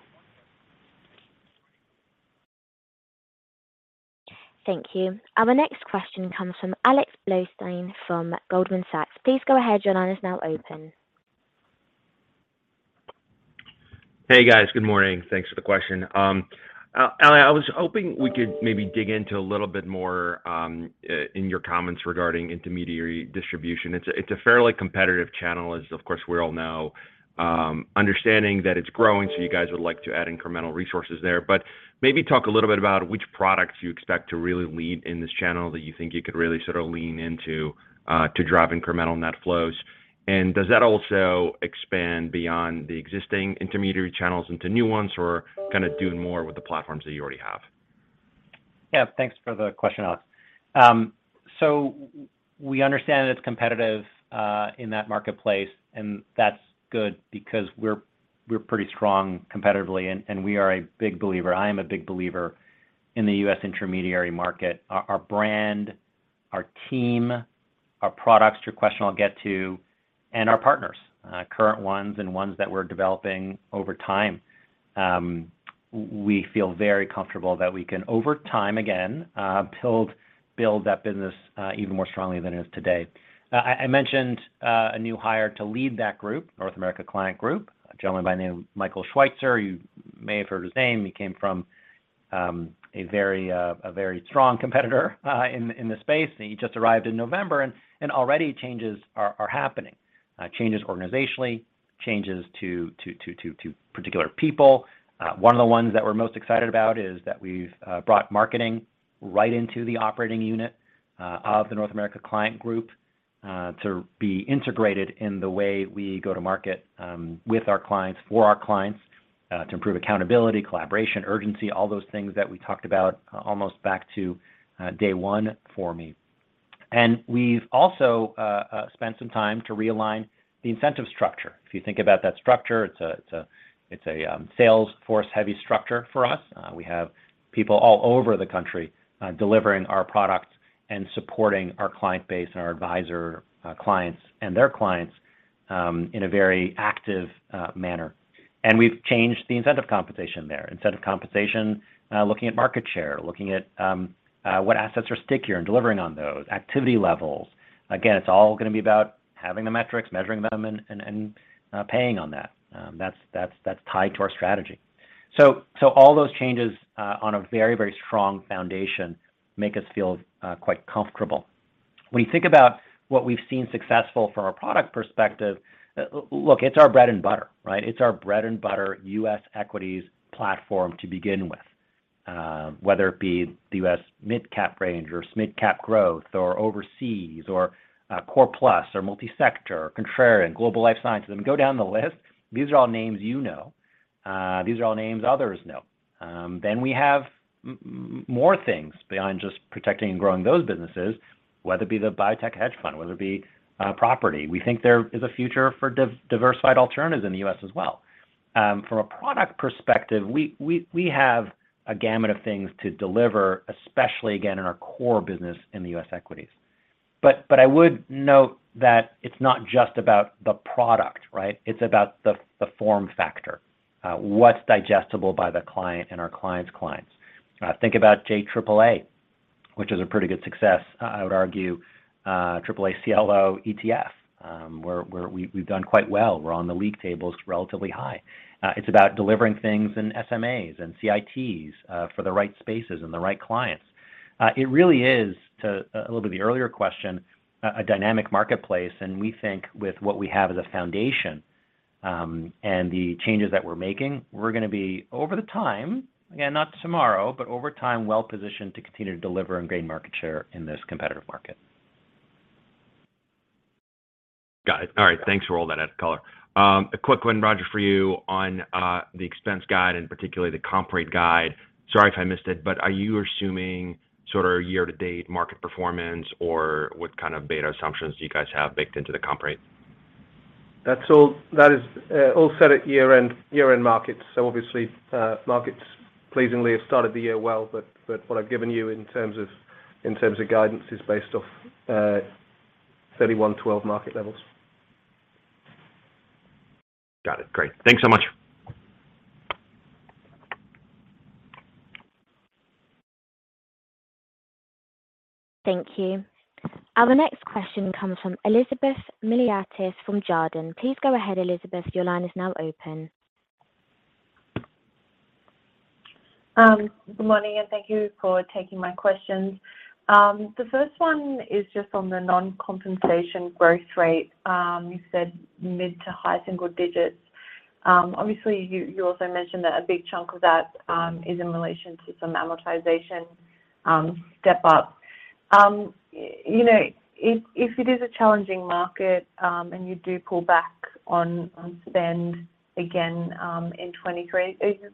Thank you. Our next question comes from Alex Blostein from Goldman Sachs. Please go ahead. Your line is now open. Hey, guys. Good morning. Thanks for the question. Ali, I was hoping we could maybe dig into a little bit more in your comments regarding intermediary distribution. It's a fairly competitive channel as, of course, we all know, understanding that it's growing, so you guys would like to add incremental resources there. Maybe talk a little bit about which products you expect to really lead in this channel that you think you could really sort of lean into to drive incremental net flows. Does that also expand beyond the existing intermediary channels into new ones or kind of doing more with the platforms that you already have? Yeah. Thanks for the question, Alex. We understand it's competitive in that marketplace, and that's good because we're pretty strong competitively, and we are a big believer. I am a big believer in the US intermediary market. Our brand, our team, our products, your question I'll get to, and our partners, current ones and ones that we're developing over time. We feel very comfortable that we can, over time again, build that business even more strongly than it is today. I mentioned a new hire to lead that group, North American Client Group, a gentleman by the name of Michael Schweitzer. You may have heard his name. He came from a very strong competitor in the space. He just arrived in November and already changes are happening. Changes organizationally, changes to particular people. One of the ones that we're most excited about is that we've brought marketing right into the operating unit of the North America Client Group to be integrated in the way we go to market with our clients, for our clients, to improve accountability, collaboration, urgency, all those things that we talked about almost back to day one for me. We've also spent some time to realign the incentive structure. If you think about that structure, it's a sales force-heavy structure for us. We have people all over the country delivering our products and supporting our client base and our advisor clients and their clients in a very active manner. We've changed the incentive compensation there. Incentive compensation, looking at market share, looking at what assets are stickier and delivering on those, activity levels. Again, it's all gonna be about having the metrics, measuring them and paying on that. That's tied to our strategy. All those changes on a very, very strong foundation make us feel quite comfortable. When you think about what we've seen successful from a product perspective, look, it's our bread and butter, right? It's our bread and butter US equities platform to begin with, whether it be the US Mid-Cap range or SMid-Cap Growth or Overseas or Core Plus or Multi-Sector, Contrarian, Global Life Sciences, and go down the list. These are all names you know. These are all names others know. We have more things beyond just protecting and growing those businesses, whether it be the biotech hedge fund, whether it be property. We think there is a future for diversified alternatives in the U.S. as well. From a product perspective, we have a gamut of things to deliver, especially again in our core business in the U.S. equities. But I would note that it's not just about the product, right? It's about the form factor, what's digestible by the client and our client's clients. Think about JAAA, which is a pretty good success, I would argue, AAA CLO ETF, where we've done quite well. We're on the league tables relatively high. It's about delivering things in SMAs and CITs for the right spaces and the right clients. It really is to a little bit the earlier question, a dynamic marketplace, and we think with what we have as a foundation, and the changes that we're making, we're gonna be over the time, again, not tomorrow, but over time, well-positioned to continue to deliver and gain market share in this competitive market. Got it. All right. Thanks for all that added color. A quick one, Roger, for you on the expense guide and particularly the comp rate guide. Sorry if I missed it, but are you assuming sort of year-to-date market performance, or what kind of beta assumptions do you guys have baked into the comp rate? That is all set at year-end markets. Obviously, markets pleasingly have started the year well, but what I've given you in terms of guidance is based off 12/31 market levels. Got it. Great. Thanks so much. Thank you. Our next question comes from Elizabeth Miliatis from Jarden. Please go ahead, Elizabeth. Your line is now open. Good morning, thank you for taking my questions. The first one is just on the non-compensation growth rate. You said mid to high single digits. Obviously you also mentioned that a big chunk of that is in relation to some amortization step-up You know, if it is a challenging market, and you do pull back on spend again, in 2023, are you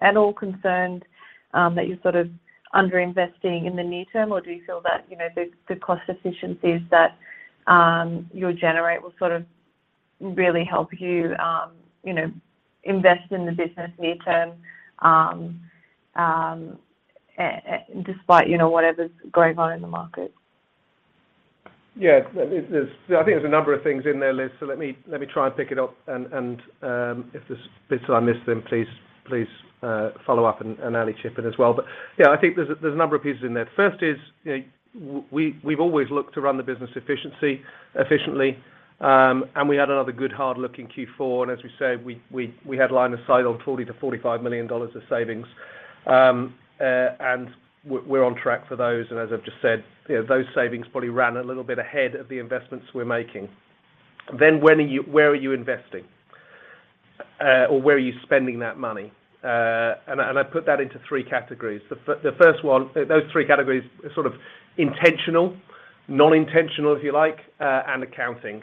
at all concerned that you're sort of under-investing in the near term? Or do you feel that, you know, the cost efficiencies that you'll generate will sort of really help you know, invest in the business near term, despite, you know, whatever's going on in the market? I think there's a number of things in there, Liz. Let me try and pick it up and, if there's bits that I miss then please follow up and Ali chip in as well. Yeah, I think there's a number of pieces in there. First is, you know, we've always looked to run the business efficiently, and we had another good hard look in Q4. As we said, we had lined aside on $40-45 million of savings. And we're on track for those. As I've just said, you know, those savings probably ran a little bit ahead of the investments we're making. Where are you investing? Or where are you spending that money? I put that into three categories. The first one... Those three categories are sort of intentional, non-intentional, if you like, and accounting.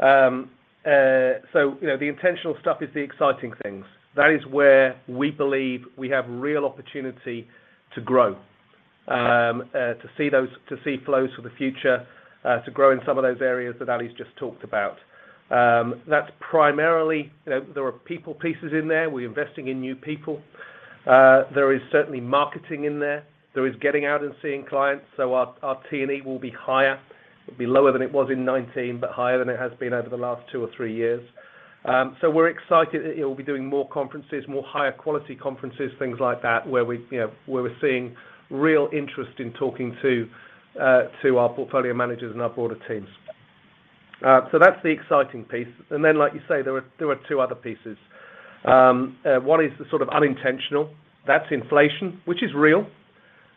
You know, the intentional stuff is the exciting things. That is where we believe we have real opportunity to grow, to see flows for the future, to grow in some of those areas that Ali's just talked about. That's primarily, you know, there are people pieces in there. We're investing in new people. There is certainly marketing in there. There is getting out and seeing clients. Our T&E will be higher. It'll be lower than it was in 2019, but higher than it has been over the last two or three years. We're excited. You know, we'll be doing more conferences, more higher quality conferences, things like that, where we, you know, where we're seeing real interest in talking to our portfolio managers and our broader teams. That's the exciting piece. Like you say, there are, there are two other pieces. One is the sort of unintentional. That's inflation, which is real.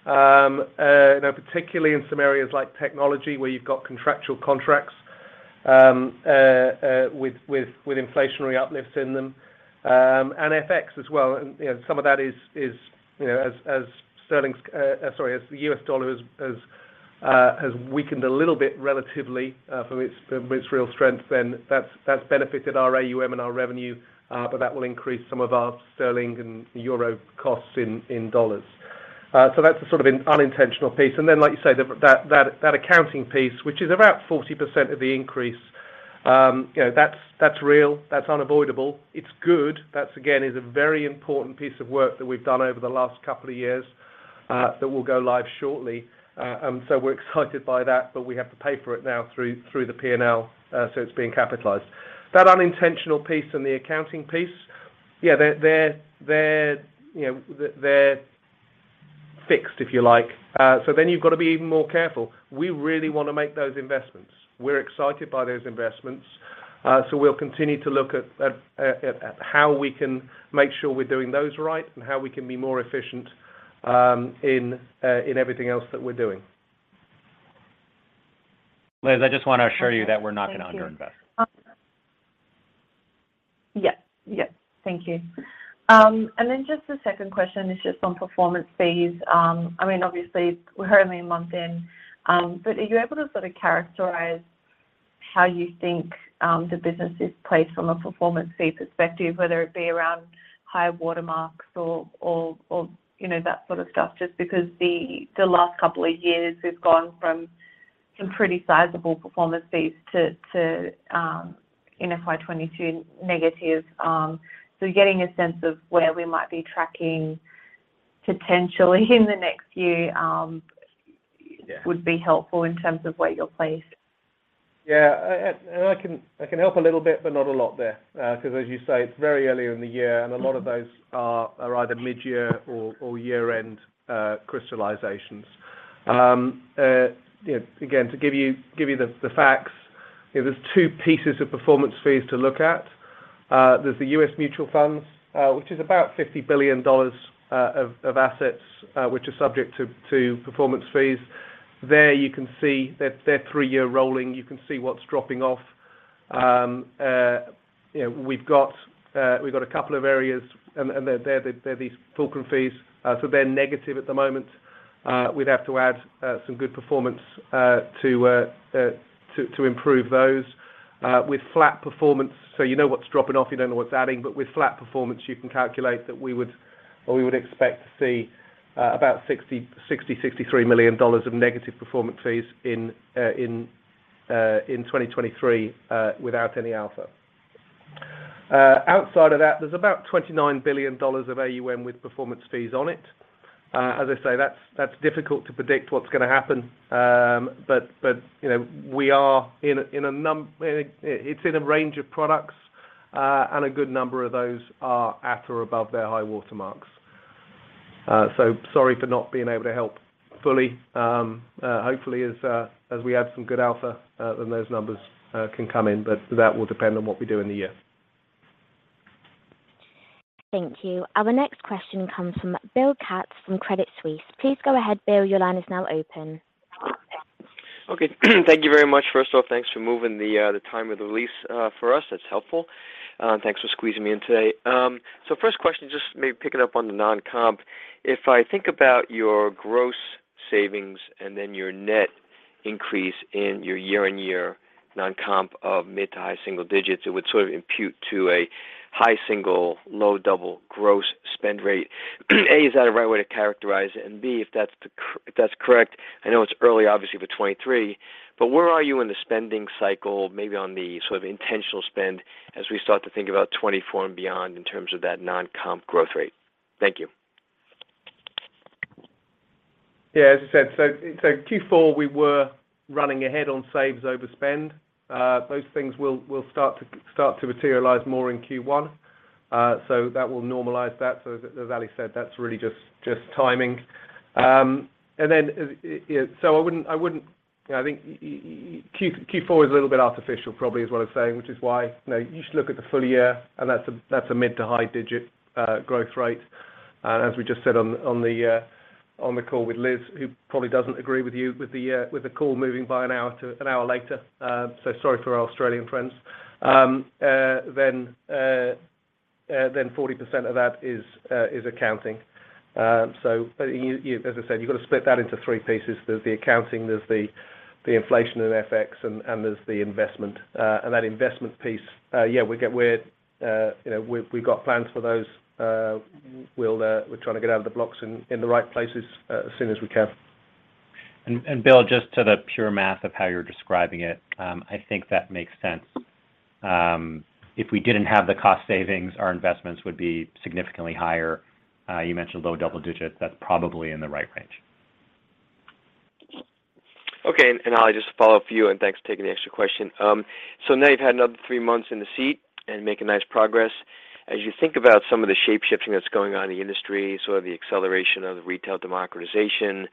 You know, particularly in some areas like technology, where you've got contractual contracts, with inflationary uplifts in them. FX as well. You know, some of that is, you know, as the US dollar has weakened a little bit relatively from its real strength, then that's benefited our AUM and our revenue, but that will increase some of our sterling and euro costs in dollars. So that's the sort of unintentional piece. Like you say, that accounting piece, which is about 40% of the increase, you know, that's real. That's unavoidable. It's good. That again is a very important piece of work that we've done over the last couple of years, that will go live shortly. So we're excited by that, but we have to pay for it now through the P&L, so it's being capitalized. That unintentional piece and the accounting piece, yeah, they're, you know, they're fixed, if you like. You've got to be even more careful. We really wanna make those investments. We're excited by those investments. We'll continue to look at how we can make sure we're doing those right and how we can be more efficient, in everything else that we're doing. Liz, I just want to assure you that we're not gonna under-invest. Yeah. Yes. Thank you. Just the second question is just on performance fees. I mean, obviously we're only a month in, but are you able to sort of characterize how you think the business is placed from a performance fee perspective, whether it be around high water marks or, or, you know, that sort of stuff? Just because the last couple of years we've gone from some pretty sizable performance fees to, in FY 2022, negative. Getting a sense of where we might be tracking potentially in the next year would be helpful in terms of where you're placed. Yeah. I can help a little bit, but not a lot there. Because as you say, it's very early in the year, and a lot of those are either mid-year or year-end crystallizations. You know, again, to give you the facts, you know, there's two pieces of performance fees to look at. There's the US Mutual Funds, which is about $50 billion of assets, which are subject to performance fees. There you can see they're three-year rolling. You can see what's dropping off. You know, we've got a couple of areas and they're these fulcrum fees. They're negative at the moment. We'd have to add some good performance to improve those. With flat performance, so you know what's dropping off, you don't know what's adding, but with flat performance you can calculate that we would, or we would expect to see, about $63 million of negative performance fees in 2023, without any alpha. Outside of that there's about $29 billion of AUM with performance fees on it. As I say, that's difficult to predict what's gonna happen. You know, we are in a range of products, and a good number of those are at or above their high water marks. Sorry for not being able to help fully. Hopefully as we add some good alpha, then those numbers can come in. That will depend on what we do in the year. Thank you. Our next question comes from Bill Katz from Credit Suisse. Please go ahead, Bill. Your line is now open. Okay. Thank you very much. First of all, thanks for moving the time of the release for us. That's helpful. Thanks for squeezing me in today. First question, just maybe picking up on the non-comp. If I think about your gross savings and then your net increase in your year-on-year non-comp of mid- to high-single digits, it would sort of impute to a high-single, low-double gross spend rate. A, is that a right way to characterize it? B, if that's correct, I know it's early obviously for 2023, but where are you in the spending cycle, maybe on the sort of intentional spend as we start to think about 2024 and beyond in terms of that non-comp growth rate? Thank you. As I said, Q4 we were running ahead on saves over spend. Those things will start to materialize more in Q1. That will normalize that. As Ali said, that's really timing. I wouldn't. I think Q4 is a little bit artificial probably is what I'm saying, which is why, you know, you should look at the full year, and that's a mid to high digit growth rate. As we just said on the call with Liz, who probably doesn't agree with you with the call moving by an hour to an hour later. Sorry for our Australian friends. 40% of that is accounting. As I said, you've got to split that into three pieces. There's the accounting, there's the inflation and FX, and there's the investment. That investment piece, yeah, we're, you know, we've got plans for those. We'll we're trying to get out of the blocks in the right places as soon as we can. Bill, just to the pure math of how you're describing it, I think that makes sense. If we didn't have the cost savings, our investments would be significantly higher. You mentioned low double digits. That's probably in the right range. Okay. Ali, just to follow up for you, and thanks for taking the extra question. Now you've had another three months in the seat and making nice progress. As you think about some of the shape-shifting that's going on in the industry, sort of the acceleration of the retail democratization,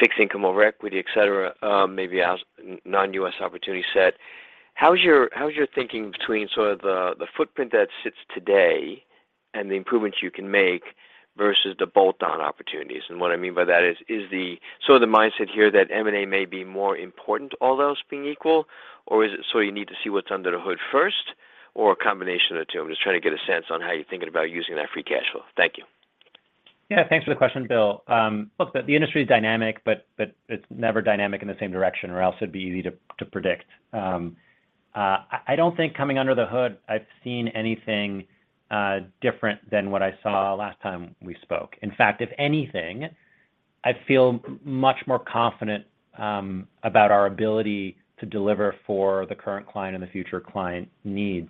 fixed income over equity, et cetera, maybe non-US opportunity set, how is your thinking between sort of the footprint that sits today and the improvements you can make versus the bolt-on opportunities? What I mean by that is the... The mindset here that M&A may be more important, all else being equal, or is it so you need to see what's under the hood first or a combination of the two? I'm just trying to get a sense on how you're thinking about using that free cash flow. Thank you. Yeah. Thanks for the question, Bill. Look, the industry is dynamic, but it's never dynamic in the same direction, or else it'd be easy to predict. I don't think coming under the hood I've seen anything different than what I saw last time we spoke. In fact, if anything, I feel much more confident about our ability to deliver for the current client and the future client needs.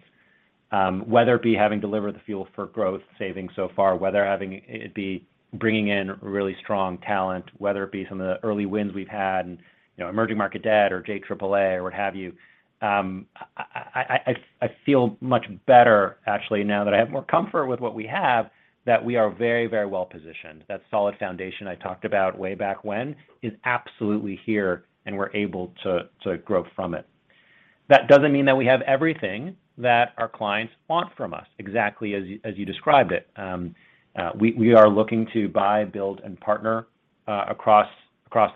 Whether it be having delivered the Fuel for Growth savings so far, whether having it be bringing in really strong talent, whether it be some of the early wins we've had in, you know, Emerging Market Debt or JAAA or what have you. I feel much better actually now that I have more comfort with what we have that we are very well positioned. That solid foundation I talked about way back when is absolutely here, and we're able to grow from it. That doesn't mean that we have everything that our clients want from us, exactly as you described it. We are looking to buy, build, and partner across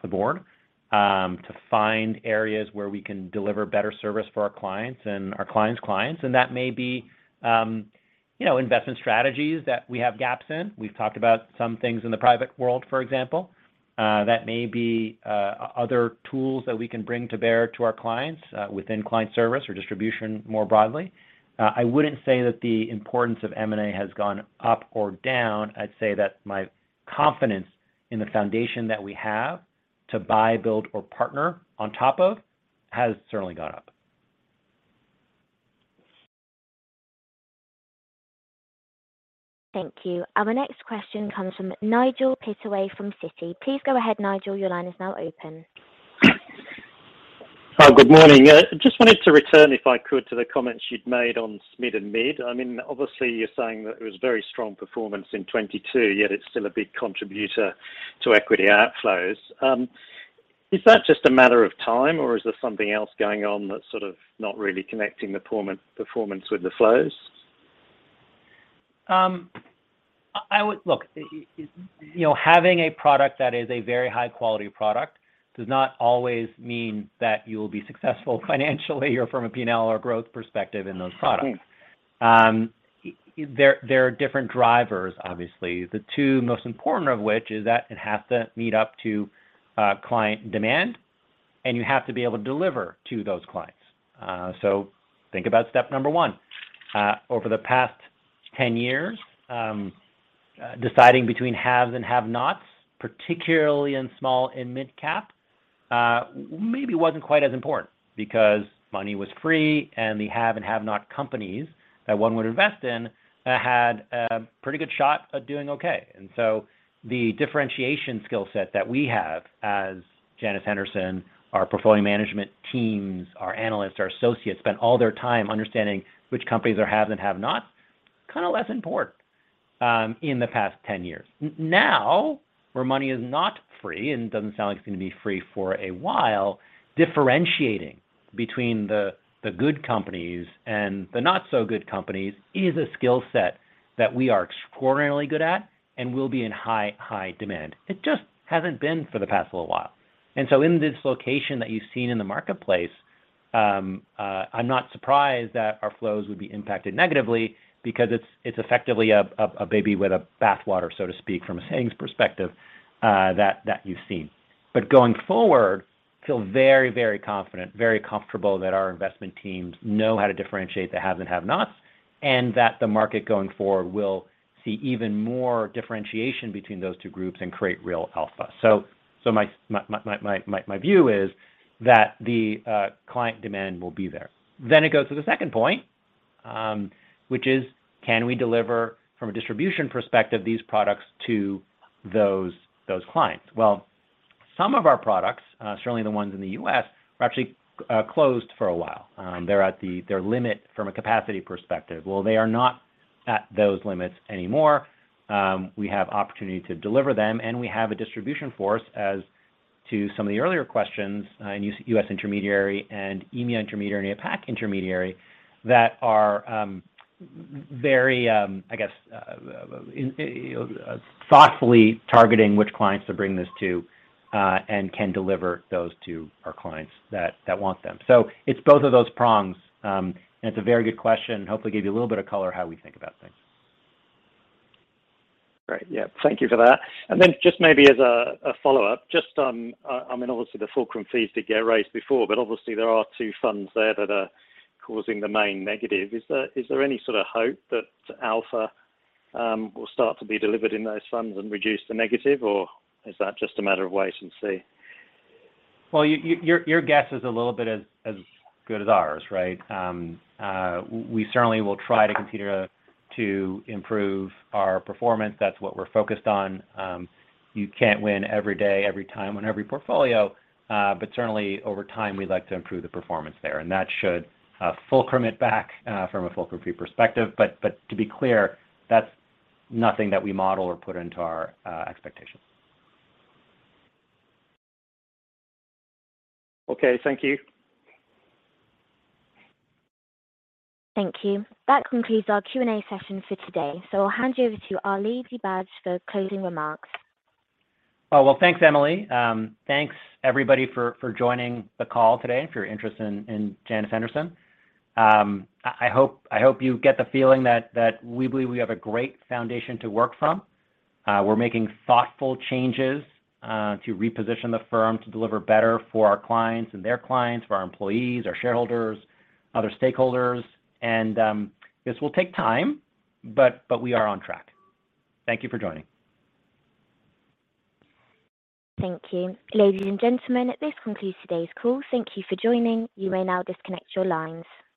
the board to find areas where we can deliver better service for our clients and our clients' clients, and that may be, you know, investment strategies that we have gaps in. We've talked about some things in the private world, for example. That may be other tools that we can bring to bear to our clients within client service or distribution more broadly. I wouldn't say that the importance of M&A has gone up or down. I'd say that my confidence in the foundation that we have to buy, build, or partner on top of has certainly gone up. Thank you. Our next question comes from Nigel Pittaway from Citi. Please go ahead, Nigel. Your line is now open. Good morning. just wanted to return, if I could, to the comments you'd made on SMid and mid. Obviously you're saying that it was very strong performance in 2022, yet it's still a big contributor to equity outflows. Is that just a matter of time, or is there something else going on that's sort of not really connecting the performance with the flows? Look, you know, having a product that is a very high quality product does not always mean that you'll be successful financially or from a P&L or growth perspective in those products. Okay. There are different drivers, obviously, the two most important of which is that it has to meet up to client demand, and you have to be able to deliver to those clients. Think about step number one. Over the past 10 years, deciding between haves and have-nots, particularly in small and mid-cap, maybe wasn't quite as important because money was free and the have and have-not companies that one would invest in had a pretty good shot of doing okay. The differentiation skill set that we have as Janus Henderson, our portfolio management teams, our analysts, our associates spend all their time understanding which companies are haves and have-nots, kinda less important in the past 10 years. Now, where money is not free, and doesn't sound like it's gonna be free for a while, differentiating between the good companies and the not so good companies is a skill set that we are extraordinarily good at and will be in high, high demand. It just hasn't been for the past little while. In this location that you've seen in the marketplace, I'm not surprised that our flows would be impacted negatively because it's effectively a baby with a bathwater, so to speak, from a sayings perspective, that you've seen. Going forward, feel very, very confident, very comfortable that our investment teams know how to differentiate the haves and have-nots, and that the market going forward will see even more differentiation between those two groups and create real alpha. My view is that the client demand will be there. It goes to the second point, which is, can we deliver from a distribution perspective, these products to those clients? Some of our products, certainly the ones in the U.S., were actually closed for a while. They're at their limit from a capacity perspective. They are not at those limits anymore. We have opportunity to deliver them, and we have a distribution force as to some of the earlier questions, in US intermediary and EMEA intermediary, APAC intermediary, that are very, I guess, thoughtfully targeting which clients to bring this to, and can deliver those to our clients that want them. It's both of those prongs. It's a very good question. Hopefully gave you a little bit of color how we think about things. Great. Yeah, thank you for that. Just maybe as a follow-up, just, I mean, obviously the fulcrum fees did get raised before, but obviously there are two funds there that are causing the main negative. Is there any sort of hope that alpha will start to be delivered in those funds and reduce the negative, or is that just a matter of wait and see? Well, your guess is a little bit as good as ours, right? We certainly will try to continue to improve our performance. That's what we're focused on. You can't win every day, every time on every portfolio, but certainly over time, we'd like to improve the performance there. That should fulcrum it back from a fulcrum fee perspective. To be clear, that's nothing that we model or put into our expectations. Okay. Thank you. Thank you. That concludes our Q&A session for today. I'll hand you over to Ali Dibadj for closing remarks. Well, thanks, Emily. Thanks everybody for joining the call today and for your interest in Janus Henderson. I hope you get the feeling that we believe we have a great foundation to work from. We're making thoughtful changes to reposition the firm to deliver better for our clients and their clients, for our employees, our shareholders, other stakeholders. This will take time, but we are on track. Thank you for joining. Thank you. Ladies and gentlemen, this concludes today's call. Thank you for joining. You may now disconnect your lines.